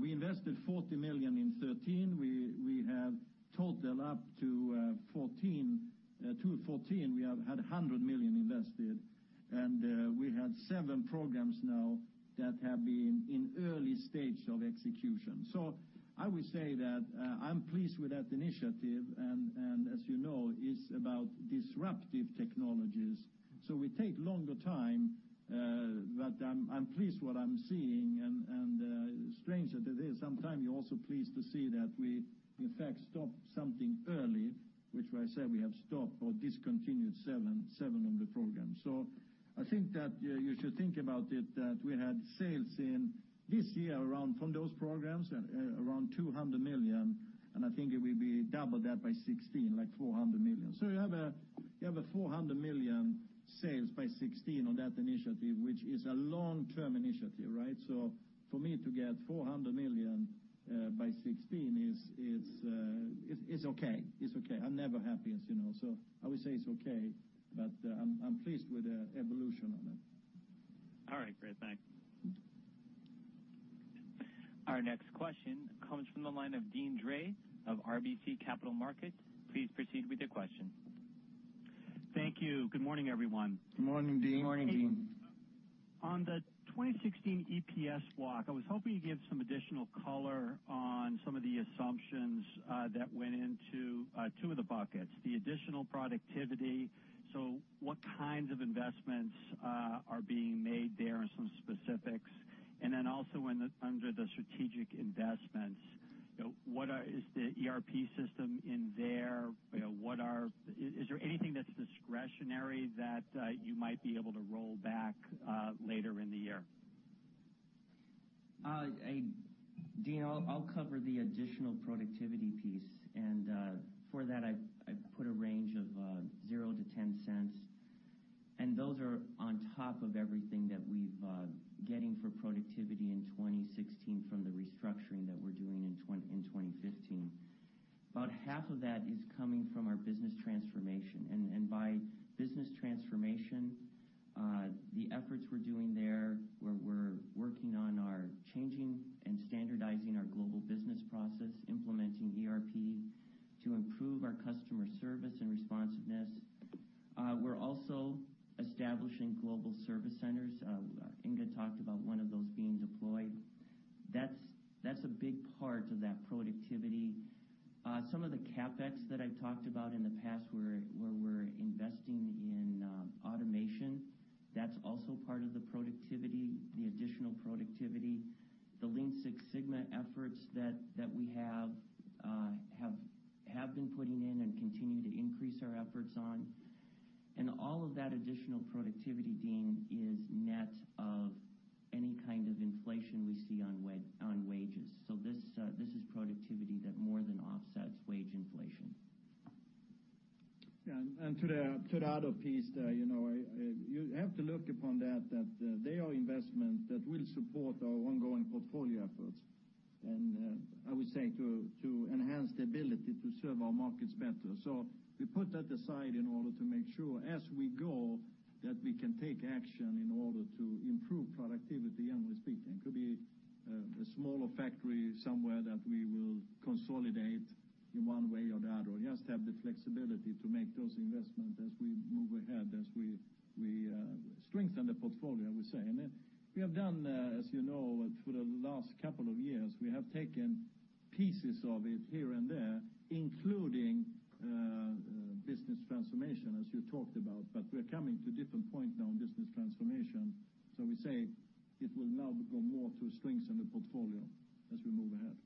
We invested $40 million in 2013. We have totaled up to 2014, we have had $100 million invested and we have seven programs now that have been in early stage of execution. I would say that I'm pleased with that initiative and as you know, it's about disruptive technologies. We take longer time, but I'm pleased what I'm seeing and strange that it is sometimes you're also pleased to see that we in fact stopped something early, which I said we have stopped or discontinued seven of the programs. I think that you should think about it, that we had sales in this year from those programs around $200 million, and I think it will be double that by 2016, like $400 million. You have a $400 million sales by 2016 on that initiative, which is a long-term initiative, right? For me to get $400 million by 2016 is okay. I'm never happy, as you know, I would say it's okay, but I'm pleased with the evolution on it. All right, great. Thanks. Our next question comes from the line of Deane Dray of RBC Capital Markets. Please proceed with your question. Thank you. Good morning, everyone. Good morning, Deane. Good morning, Deane. On the 2016 EPS walk, I was hoping you'd give some additional color on some of the assumptions that went into two of the buckets. The additional productivity, so what kinds of investments are being made there and some specifics? Also under the strategic investments, what is the ERP system in there? Is there anything that's discretionary that you might be able to roll back later in the year? Deane, I'll cover the additional productivity piece. For that, I put a range of $0-$0.10, and those are on top of everything that we're getting for productivity in 2016 from the restructuring that we're doing in 2015. About half of that is coming from our business transformation, and by business transformation, the efforts we're doing there, where we're working on are changing and standardizing our global business process, implementing ERP to improve our customer service and responsiveness. We're also establishing global service centers. Inge talked about one of those being deployed. That's a big part of that productivity. Some of the CapEx that I've talked about in the past, where we're investing in automation, that's also part of the productivity, the additional productivity, the Lean Six Sigma efforts that we have been putting in and continue to increase our efforts on. All of that additional productivity, Deane, is net of any kind of inflation we see on wages. This is productivity that more than offsets wage inflation. To the [tornado piece, you have to look upon that they are investment that will support our ongoing portfolio efforts. I would say to enhance the ability to serve our markets better. We put that aside in order to make sure as we go that we can take action in order to improve productivity and we speak. It could be a smaller factory somewhere that we will consolidate in one way or the other, or just have the flexibility to make those investments as we move ahead, as we strengthen the portfolio, I would say. We have done, as you know, for the last couple of years, we have taken pieces of it here and there, including business transformation, as you talked about. We're coming to a different point now in business transformation. We say it will now go more to strengthen the portfolio as we move ahead.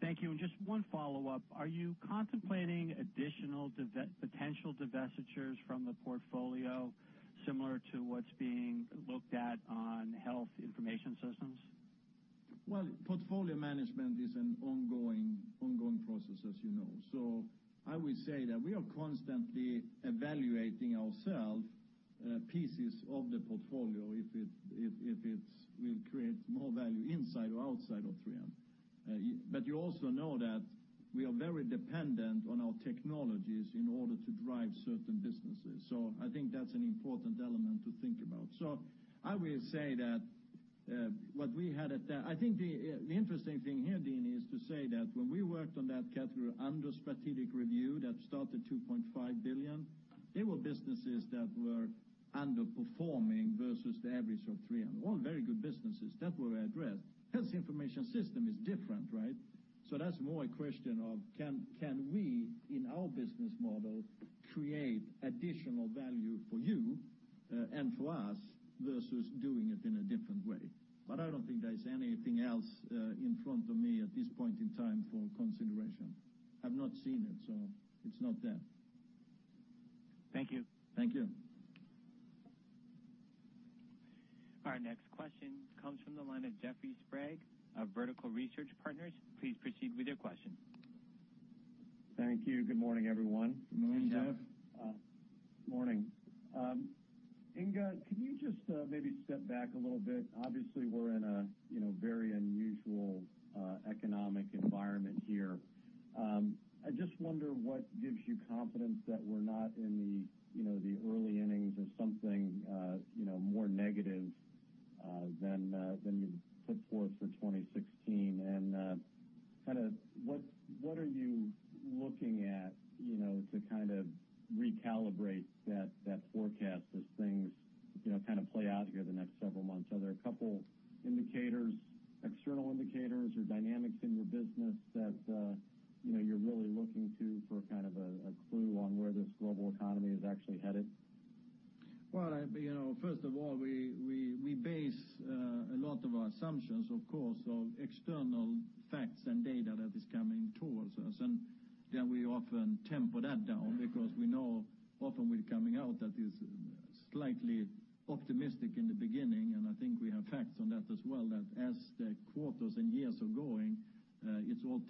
Thank you. Just one follow-up. Are you contemplating additional potential divestitures from the portfolio, similar to what's being looked at on Health Information Systems? Portfolio management is an ongoing process, as you know. I would say that we are constantly evaluating ourselves, pieces of the portfolio, if it will create more value inside or outside of 3M. You also know that we are very dependent on our technologies in order to drive certain businesses. I think that's an important element to think about. I think the interesting thing here, Deane, is to say that when we worked on that category under strategic review that started $2.5 billion, they were businesses that were underperforming versus the average of 3M. All very good businesses that were addressed. Health Information Systems is different, right? That's more a question of can we, in our business model, create additional value for you and for us versus doing it in a different way. I don't think there's anything else in front of me at this point in time for consideration. I've not seen it's not there. Thank you. Thank you. Our next question comes from the line of Jeffrey Sprague of Vertical Research Partners. Please proceed with your question. Thank you. Good morning, everyone. Good morning, Jeff. Morning. Inge, can you just maybe step back a little bit? Obviously, we're in a very unusual economic environment here. I just wonder what gives you confidence that we're not in the early innings of something more negative than you put forth for 2016, and what are you looking at to recalibrate that forecast as things play out here the next several months? Are there a couple indicators, external indicators, or dynamics in your business that you're really looking to for a clue on where this global economy is actually headed? Well, first of all, we base a lot of our assumptions, of course, on external facts and data that is coming towards us, we often temper that down because we know often we're coming out that is slightly optimistic in the beginning, I think we have facts on that as well, that as the quarters and years are going, it's all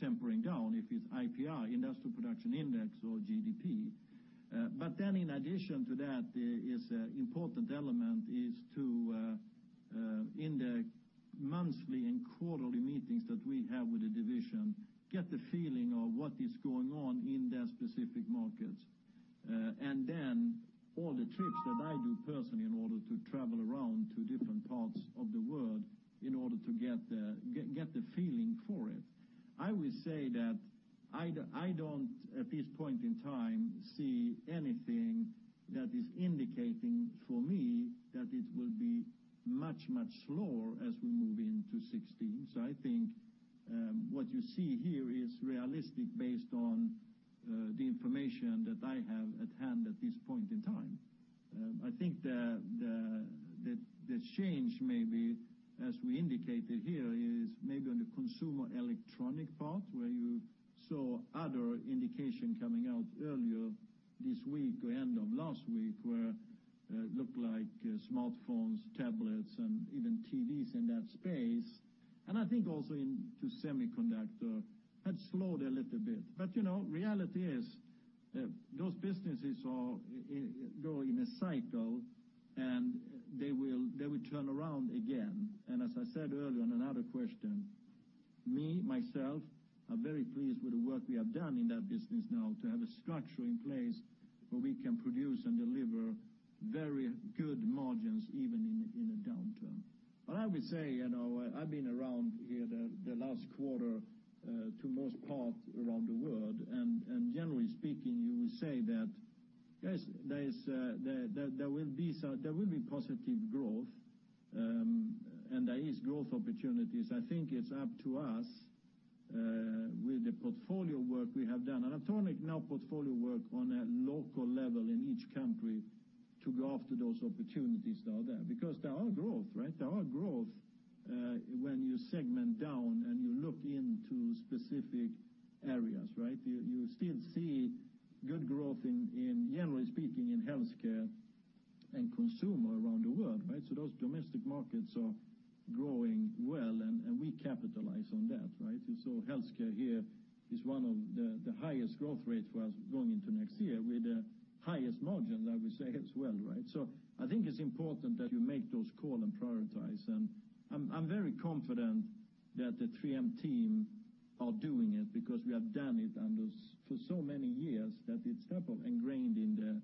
tempering down, if it's IPI, industrial production index or GDP. In addition to that is important element is to, in the monthly and quarterly meetings that we have with the division, get the feeling of what is going on in their specific markets. All the trips that I do personally in order to travel around to different parts of the world in order to get the feeling for it. I will say that I don't, at this point in time, see anything that is indicating for me that it will be much, much slower as we move into 2016. I think what you see here is realistic based on the information that I have at hand at this point in time. I think that the change maybe as we indicated here, is maybe on the Consumer electronic part, where you saw other indication coming out earlier this week or end of last week, where looked like smartphones, tablets, and even TVs in that space. I think also into semiconductor had slowed a little bit. Reality is those businesses go in a cycle, and they will turn around again. As I said earlier on another question, me, myself, are very pleased with the work we have done in that business now to have a structure in place where we can produce and deliver very good margins, even in a downturn. I would say, I've been around here the last quarter, to most part around the world, generally speaking, you would say that yes, there will be positive growth, and there is growth opportunities. I think it's up to us, with the portfolio work we have done, and I'm talking now portfolio work on a local level in each country to go after those opportunities that are there. There are growth, right? There are growth, when you segment down and you look into specific areas, right? You still see good growth, generally speaking, in Health Care and Consumer around the world, right? Those domestic markets are growing well, and we capitalize on that, right? Health Care here is one of the highest growth rates going into next year with the highest margin, I would say as well, right? I think it's important that you make those call and prioritize. I'm very confident that the 3M team are doing it because we have done it for so many years that it's sort of ingrained in the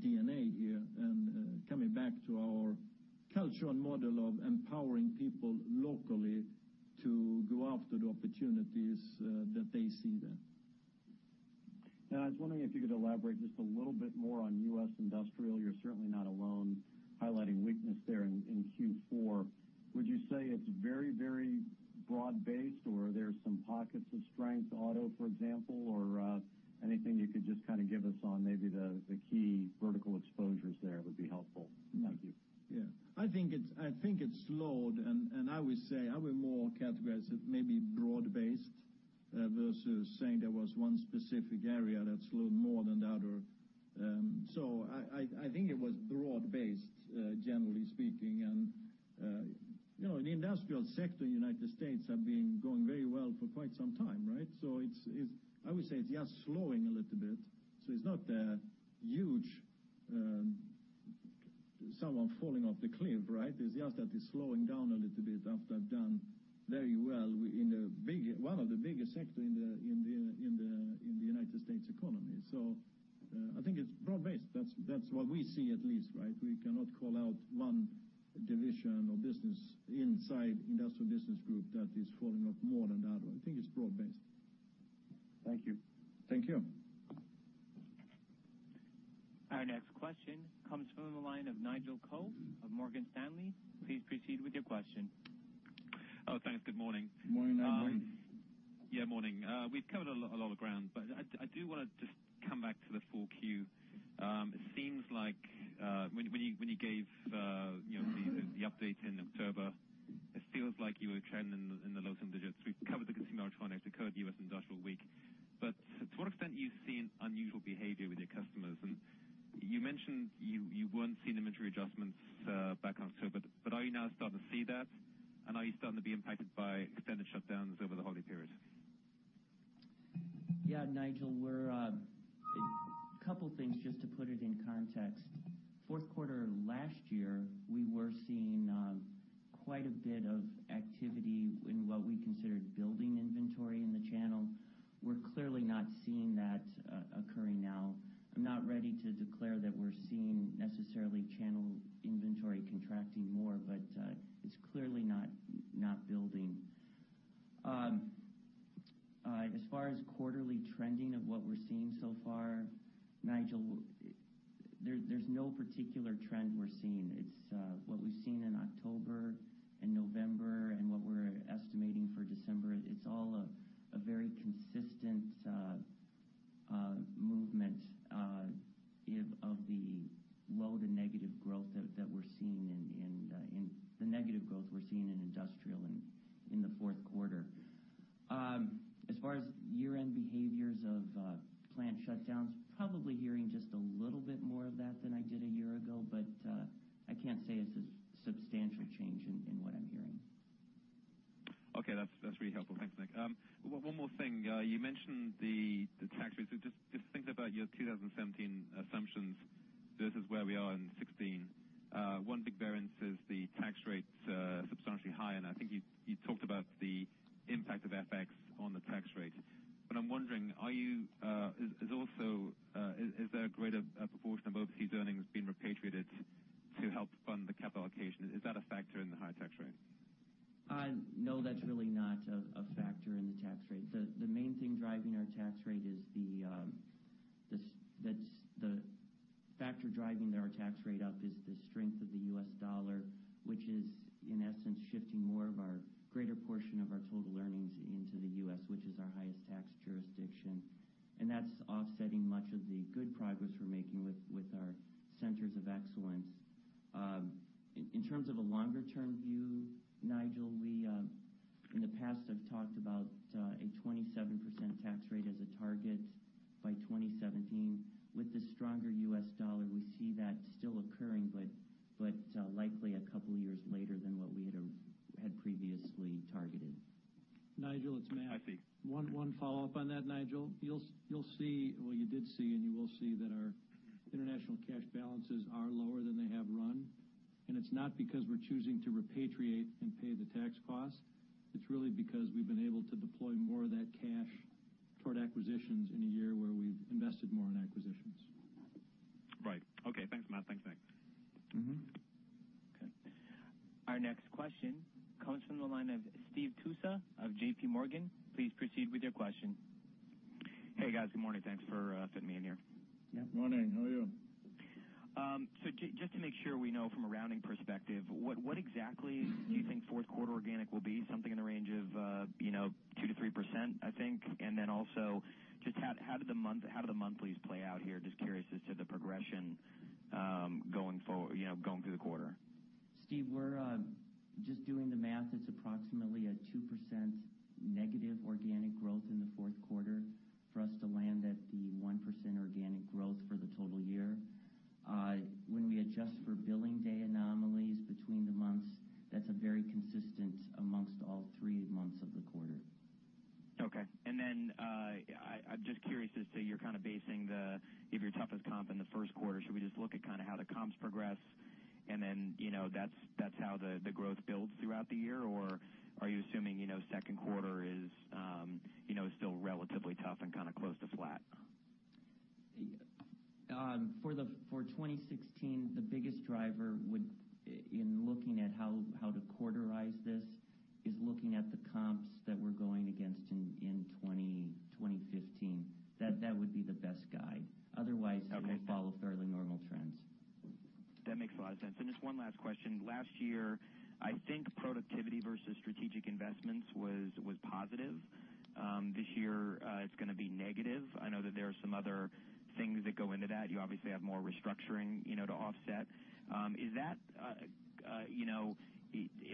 DNA here. Coming back to our culture and model of empowering people locally to go after the opportunities that they see there. I was wondering if you could elaborate just a little bit more on U.S. Industrial. You're certainly not alone highlighting weakness there in Q4. Would you say it's very, very broad-based, or are there some pockets of strength, auto, for example, or anything you could just kind of give us on maybe the key vertical exposures there would be helpful. Thank you. I think it slowed, and I would more categorize it maybe broad based versus saying there was one specific area that slowed more than the other. I think it was broad based, generally speaking. The Industrial sector in the U.S. have been going very well for quite some time, right? I would say it's just slowing a little bit, so it's not a huge, someone falling off the cliff, right? It's just that it's slowing down a little bit after it's done very well in one of the biggest sector in the U.S. economy. I think it's broad based. That's what we see at least, right? We cannot call out one division or business inside Industrial business group that is falling off more than the other. I think it's broad based. Thank you. Thank you. Our next question comes from the line of Nigel Coe of Morgan Stanley. Please proceed with your question. Thanks. Good morning. Morning, Nigel. Morning. We've covered a lot of ground, but I do want to just come back to the 4Q. When you gave the update in October, it feels like you were trending in the low single digits. We've covered the consumer electronics, we've covered U.S. Industrial weak. To what extent are you seeing unusual behavior with your customers? You mentioned you weren't seeing inventory adjustments back in October, but are you now starting to see that? Are you starting to be impacted by extended shutdowns over the holiday period? Nigel, couple things just to put it in context. Fourth quarter last year, we were seeing quite a bit of activity in what we considered building inventory in the channel. We're clearly not seeing that occurring now. I'm not ready to declare that we're seeing necessarily channel inventory contracting more, but it's clearly not building. As far as quarterly trending of what we're seeing so far, Nigel, there's no particular trend we're seeing. It's what we've seen in October and November and what we're estimating for December. It's all a very consistent movement of the low to negative growth that we're seeing in Industrial and in the fourth quarter. As far as year-end behaviors of plant shutdowns, probably hearing just a little bit more of that than I did a year ago, but I can't say it's a substantial change in what I'm hearing. Okay. That's really helpful. Thanks, Nick. One more thing. You mentioned the tax rates. Just thinking about your 2017 assumptions versus where we are in 2016. One big variance is the tax rate's substantially higher, I think you talked about the impact of FX on the tax rate, but I'm wondering, is there a greater proportion of overseas earnings being repatriated to help fund the capital allocation? Is that a factor in the high tax rate? That's really not a tax rate. The main thing driving our tax rate is the factor driving our tax rate up is the strength of the U.S. dollar, which is in essence, shifting more of our greater portion of our total earnings into the U.S., which is our highest tax jurisdiction. That's offsetting much of the good progress we're making with our centers of excellence. In terms of a longer-term view, Nigel, we, in the past, have talked about a 27% tax rate as a target by 2017. With the stronger U.S. dollar, we see that still occurring, but likely a couple of years later than what we had previously targeted. Nigel, it's Matt. Hi, Matt. One follow-up on that, Nigel. You'll see, well, you did see, and you will see that our international cash balances are lower than they have run. It's not because we're choosing to repatriate and pay the tax cost. It's really because we've been able to deploy more of that cash toward acquisitions in a year where we've invested more in acquisitions. Right. Okay. Thanks, Matt. Thanks. Okay. Our next question comes from the line of Steve Tusa of JPMorgan. Please proceed with your question. Hey, guys. Good morning. Thanks for fitting me in here. Yeah. Morning. How are you? Just to make sure we know from a rounding perspective, what exactly do you think fourth quarter organic will be? Something in the range of 2%-3%, I think? Then also, just how did the monthlies play out here? Just curious as to the progression going through the quarter. Steve, we're just doing the math. It's approximately a 2% negative organic growth in the fourth quarter for us to land at the 1% organic growth for the total year. When we adjust for billing day anomalies between the months, that's very consistent amongst all three months of the quarter. Okay. I'm just curious as to, you're kind of basing the, if your toughest comp in the first quarter, should we just look at how the comps progress, then that's how the growth builds throughout the year? Are you assuming second quarter is still relatively tough and close to flat? For 2016, the biggest driver in looking at how to quarterize this is looking at the comps that we're going against in 2015. That would be the best guide. Okay It will follow fairly normal trends. That makes a lot of sense. Just one last question. Last year, I think productivity versus strategic investments was positive. This year, it's going to be negative. I know that there are some other things that go into that. You obviously have more restructuring to offset.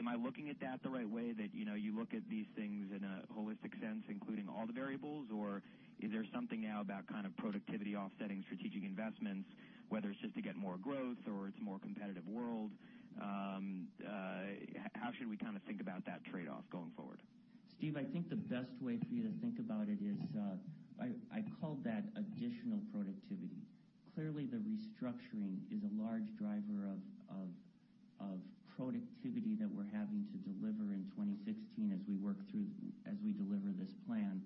Am I looking at that the right way, that you look at these things in a holistic sense, including all the variables? Is there something now about kind of productivity offsetting strategic investments, whether it's just to get more growth or it's a more competitive world? How should we think about that trade-off going forward? Steve, I think the best way for you to think about it is, I call that additional productivity. Clearly, the restructuring is a large driver of productivity that we're having to deliver in 2016 as we deliver this plan.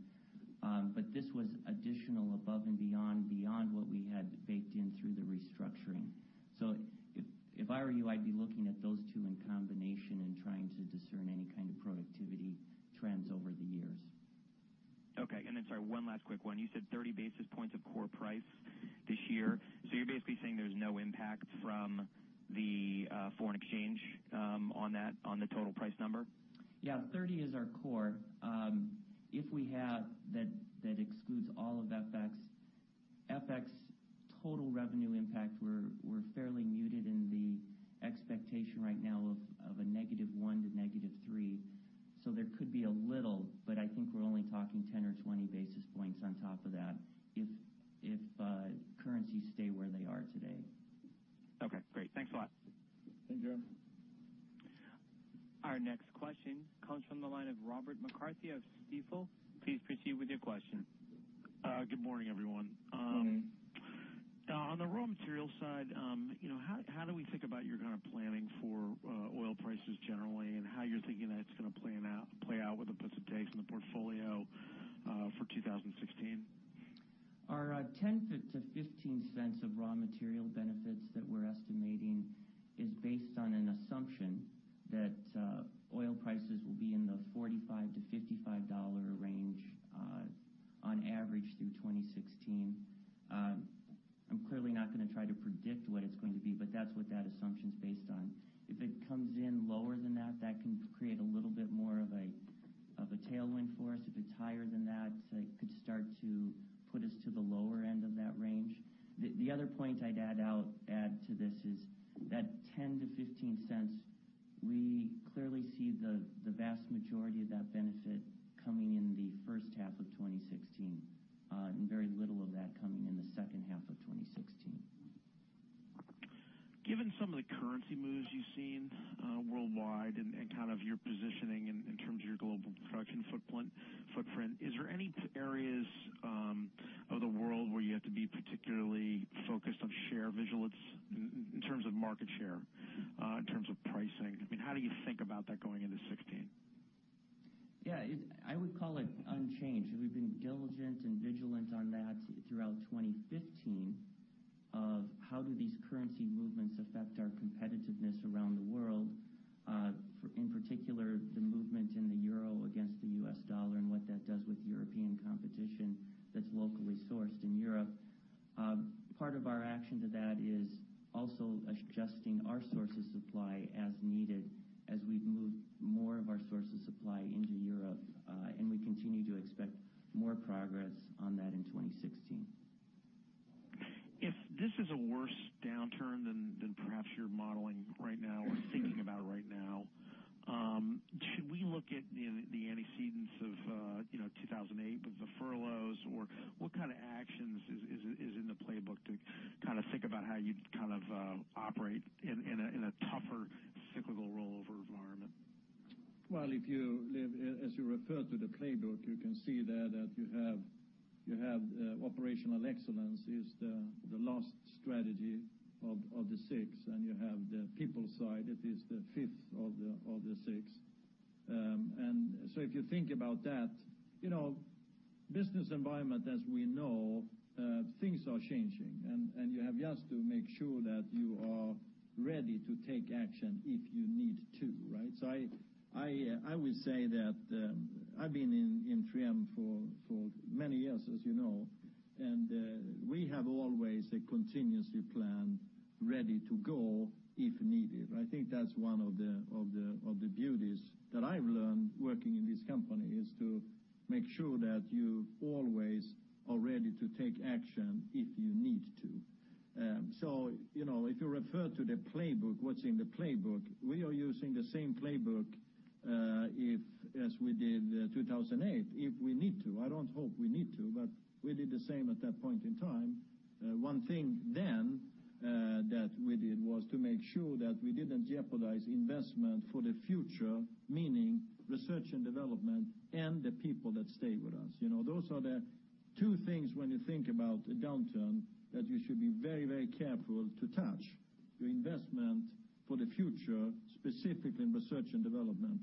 This was additional above and beyond what we had baked in through the restructuring. If I were you, I'd be looking at those two in combination and trying to discern any kind of productivity trends over the years. Okay. Then, sorry, one last quick one. You said 30 basis points of core price this year. You're basically saying there's no impact from the foreign exchange on the total price number? Yeah, 30 is our core. That excludes all of FX. FX total revenue impact, we're fairly muted in the expectation right now of a negative one to negative three. There could be a little, but I think we're only talking 10 or 20 basis points on top of that, if currencies stay where they are today. Okay, great. Thanks a lot. Thank you. Our next question comes from the line of Robert McCarthy of Stifel. Please proceed with your question. Good morning, everyone. Morning. How do we think about your kind of planning for oil prices generally, how you're thinking that it's going to play out with the puts and takes in the portfolio for 2016? Our $0.10-$0.15 of raw material benefits that we're estimating is based on an assumption that oil prices will be in the $45-$55 range on average through 2016. I'm clearly not going to try to predict what it's going to be, that's what that assumption's based on. If it comes in lower than that can create a little bit more of a tailwind for us. If it's higher than that, it could start to put us to the lower end of that range. The other point I'd add to this is that $0.10-$0.15, we clearly see the vast majority of that benefit coming in the first half of 2016, very little of that coming in the second half of 2016. Given some of the currency moves you've seen worldwide and kind of your positioning in terms of your global production footprint, is there any areas of the world where you have to be particularly focused on share vigilance in terms of market share, in terms of pricing? I mean, how do you think about that going into 2016? Yeah, I would call it unchanged. We've been diligent and vigilant on that throughout 2015, of how do these currency movements affect our competitiveness around the world? In particular, the movement in the euro against the US dollar and what that does with European competition that's locally sourced in Europe. Part of our action to that is also adjusting our sources supply as needed as we've moved more of our sources supply into Europe, we continue to expect more progress on that in 2016. If this is a worse downturn than perhaps you're modeling right now or thinking about right now, should we look at the antecedents of 2008 with the furloughs, or what kind of actions is in the playbook to think about how you'd operate in a tougher cyclical rollover environment? If you, [Liv], as you refer to the playbook, you can see there that you have operational excellence is the last strategy of the six, and you have the people side, it is the fifth of the six. If you think about that, business environment as we know, things are changing, and you have just to make sure that you are ready to take action if you need to, right? I will say that, I've been in 3M for many years, as you know, and we have always a contingency plan ready to go if needed. I think that's one of the beauties that I've learned working in this company is to make sure that you always are ready to take action if you need to. If you refer to the playbook, what's in the playbook, we are using the same playbook as we did 2008, if we need to. I don't hope we need to, but we did the same at that point in time. One thing that we did was to make sure that we didn't jeopardize investment for the future, meaning research and development and the people that stay with us. Those are the two things when you think about a downturn that you should be very careful to touch. Your investment for the future, specifically in research and development.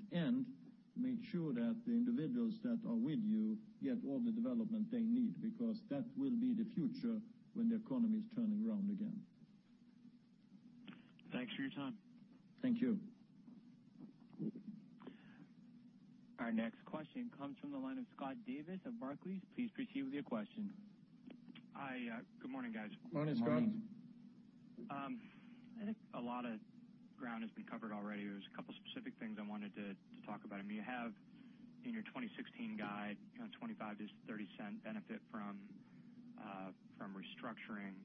Make sure that the individuals that are with you get all the development they need, because that will be the future when the economy's turning around again. Thanks for your time. Thank you. Our next question comes from the line of Scott Davis of Barclays. Please proceed with your question. Hi. Good morning, guys. Morning, Scott. I think a lot of ground has been covered already. There's a couple specific things I wanted to talk about. You have in your 2016 guide, a $0.25 to $0.30 benefit from restructuring.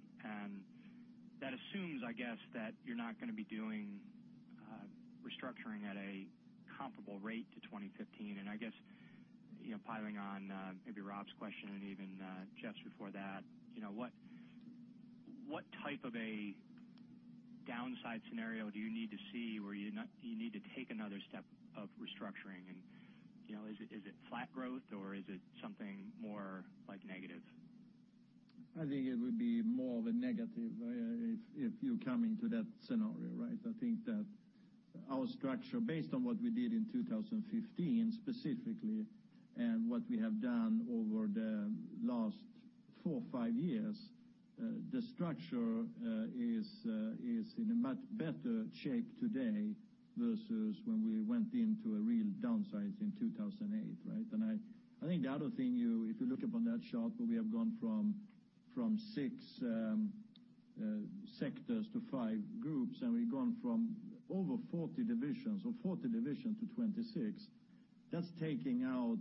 That assumes, I guess, that you're not going to be doing restructuring at a comparable rate to 2015. I guess, piling on maybe Rob's question and even Jeff's before that, what type of a downside scenario do you need to see where you need to take another step of restructuring? Is it flat growth or is it something more like negative? I think it would be more of a negative, if you're coming to that scenario, right? I think that our structure, based on what we did in 2015 specifically, what we have done over the last four or five years, the structure is in a much better shape today versus when we went into a real downsize in 2008, right? I think the other thing, if you look up on that chart where we have gone from six sectors to five groups, we've gone from over 40 divisions or 40 division to 26, that's taking out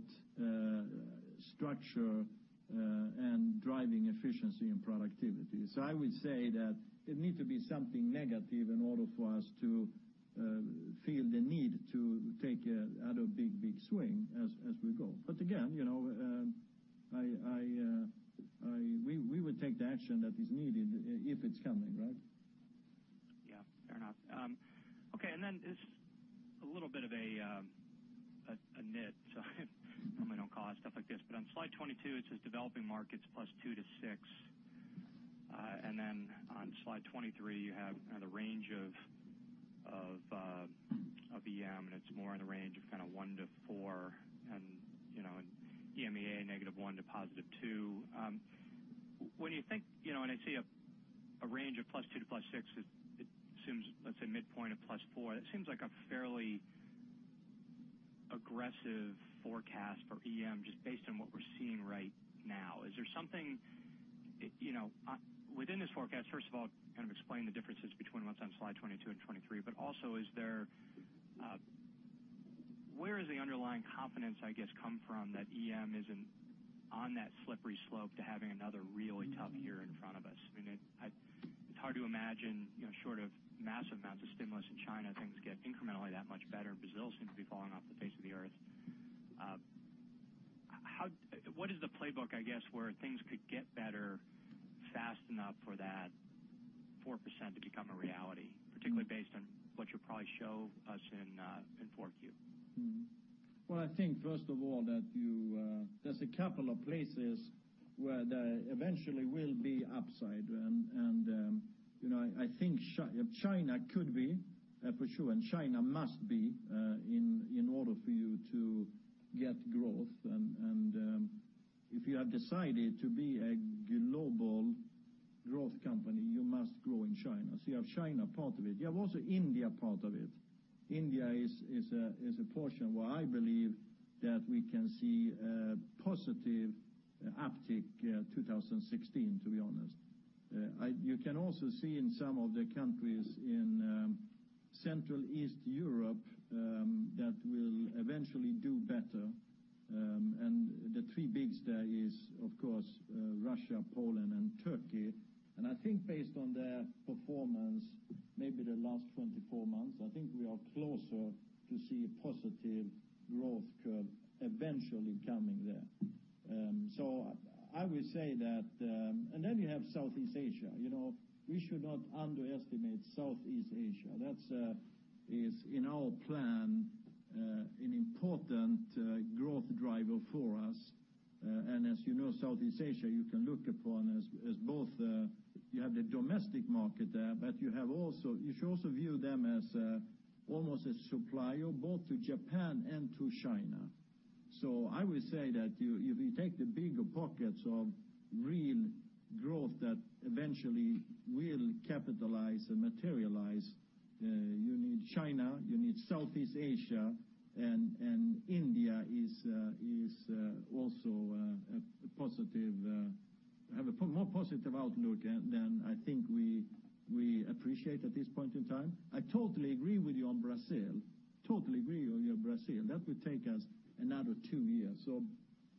structure and driving efficiency and productivity. I would say that it need to be something negative in order for us to feel the need to take another big swing as we go. Again, we would take the action that is needed if it's coming, right? Yeah. Fair enough. Okay, just a little bit of a nit, normally don't call out stuff like this, but on slide 22, it says developing markets +2% to +6%. On slide 23, you have the range of EM, and it's more in the range of 1% to 4% and, in EMEA, -1% to +2%. When you think, I see a range of +2% to +6% is, it seems, let's say midpoint of +4%. That seems like a fairly aggressive forecast for EM, just based on what we're seeing right now. Is there something within this forecast, first of all, kind of explain the differences between what's on slide 22 and 23, also where is the underlying confidence, I guess, come from that EM isn't on that slippery slope to having another really tough year in front of us? It's hard to imagine, short of massive amounts of stimulus in China, things get incrementally that much better, and Brazil seems to be falling off the face of the earth. What is the playbook, I guess, where things could get better fast enough for that 4% to become a reality, particularly based on what you'll probably show us in 4Q? Well, I think, first of all, that there's a couple of places where there eventually will be upside. I think China could be for sure, and China must be in order for you to get growth. If you have decided to be a global growth company, you must grow in China. You have China part of it. You have also India part of it. India is a portion where I believe that we can see a positive uptick 2016, to be honest. You can also see in some of the countries in Central East Europe that will eventually do better. The three bigs there is, of course, Russia, Poland, and Turkey. I think based on their performance, maybe the last 24 months, I think we are closer to see a positive growth curve eventually coming there. You have Southeast Asia. We should not underestimate Southeast Asia. That is, in our plan, an important growth driver for us. As you know, Southeast Asia, you can look upon as both, you have the domestic market there, but you should also view them as almost a supplier both to Japan and to China. I would say that if you take the bigger pockets of real growth that eventually will capitalize and materialize, you need China, you need Southeast Asia, and India is also a more positive outlook than I think we appreciate at this point in time. I totally agree with you on Brazil. That would take us another two years.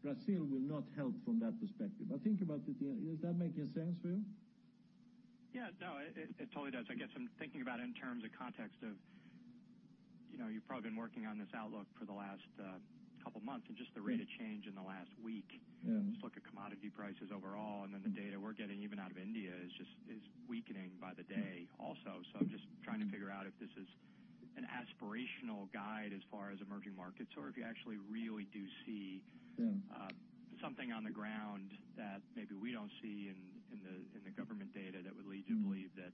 Brazil will not help from that perspective. Does that make any sense for you? Yeah, it totally does. I guess I'm thinking about it in terms of context of, you've probably been working on this outlook for the last couple of months and just the rate of change in the last week. Yeah. Just look at commodity prices overall, the data we're getting even out of India is weakening by the day also. I'm just trying to figure out if this is an aspirational guide as far as emerging markets, or if you actually really do see- Yeah something on the ground that maybe we don't see in the government data that would lead you to believe that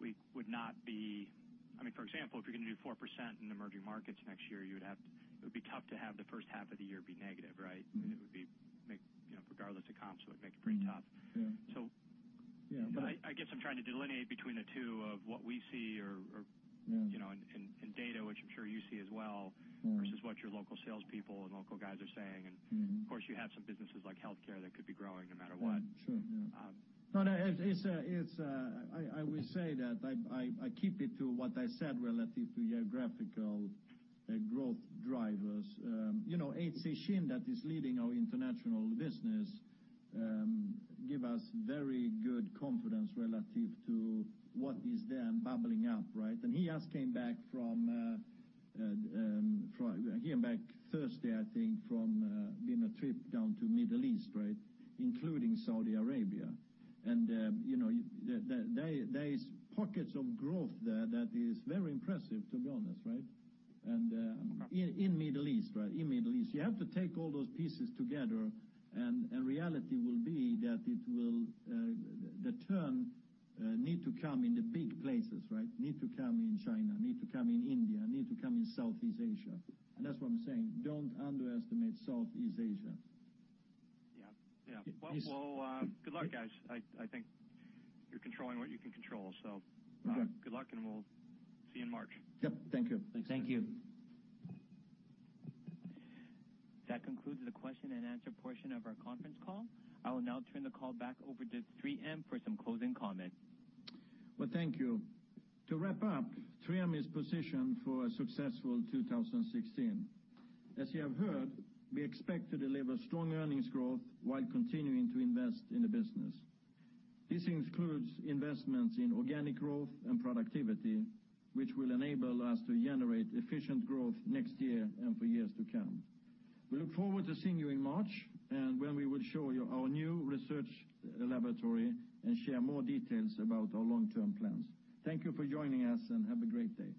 we would not be For example, if you're going to do 4% in emerging markets next year, it would be tough to have the first half of the year be negative, right? Regardless of comps, it would make it pretty tough. Yeah. I guess I'm trying to delineate between the two of what we see. Yeah In data, which I'm sure you see as well. versus what your local salespeople and local guys are saying. You have some businesses like Health Care that could be growing no matter what. Sure. Yeah. No, I will say that I keep it to what I said relative to geographical growth drivers. Hak Cheol Shin that is leading our international business give us very good confidence relative to what is there and bubbling up, right? He just came back Thursday, I think, from being a trip down to Middle East, right? Including Saudi Arabia. There is pockets of growth there that is very impressive, to be honest, right? Okay. In Middle East, right? You have to take all those pieces together reality will be that the turn need to come in the big places, right? Need to come in China, need to come in India, need to come in Southeast Asia. That's what I'm saying. Don't underestimate Southeast Asia. Well, good luck, guys. I think you're controlling what you can control. Good luck and we'll see you in March. Yep. Thank you. Thank you. That concludes the question and answer portion of our conference call. I will now turn the call back over to 3M for some closing comments. Well, thank you. To wrap up, 3M is positioned for a successful 2016. As you have heard, we expect to deliver strong earnings growth while continuing to invest in the business. This includes investments in organic growth and productivity, which will enable us to generate efficient growth next year and for years to come. We look forward to seeing you in March, and when we will show you our new research laboratory and share more details about our long-term plans. Thank you for joining us, and have a great day.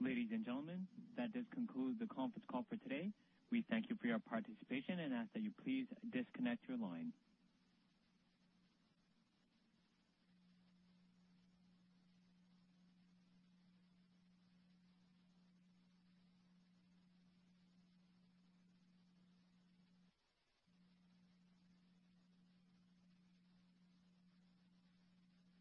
Ladies and gentlemen, that does conclude the conference call for today. We thank you for your participation and ask that you please disconnect your line.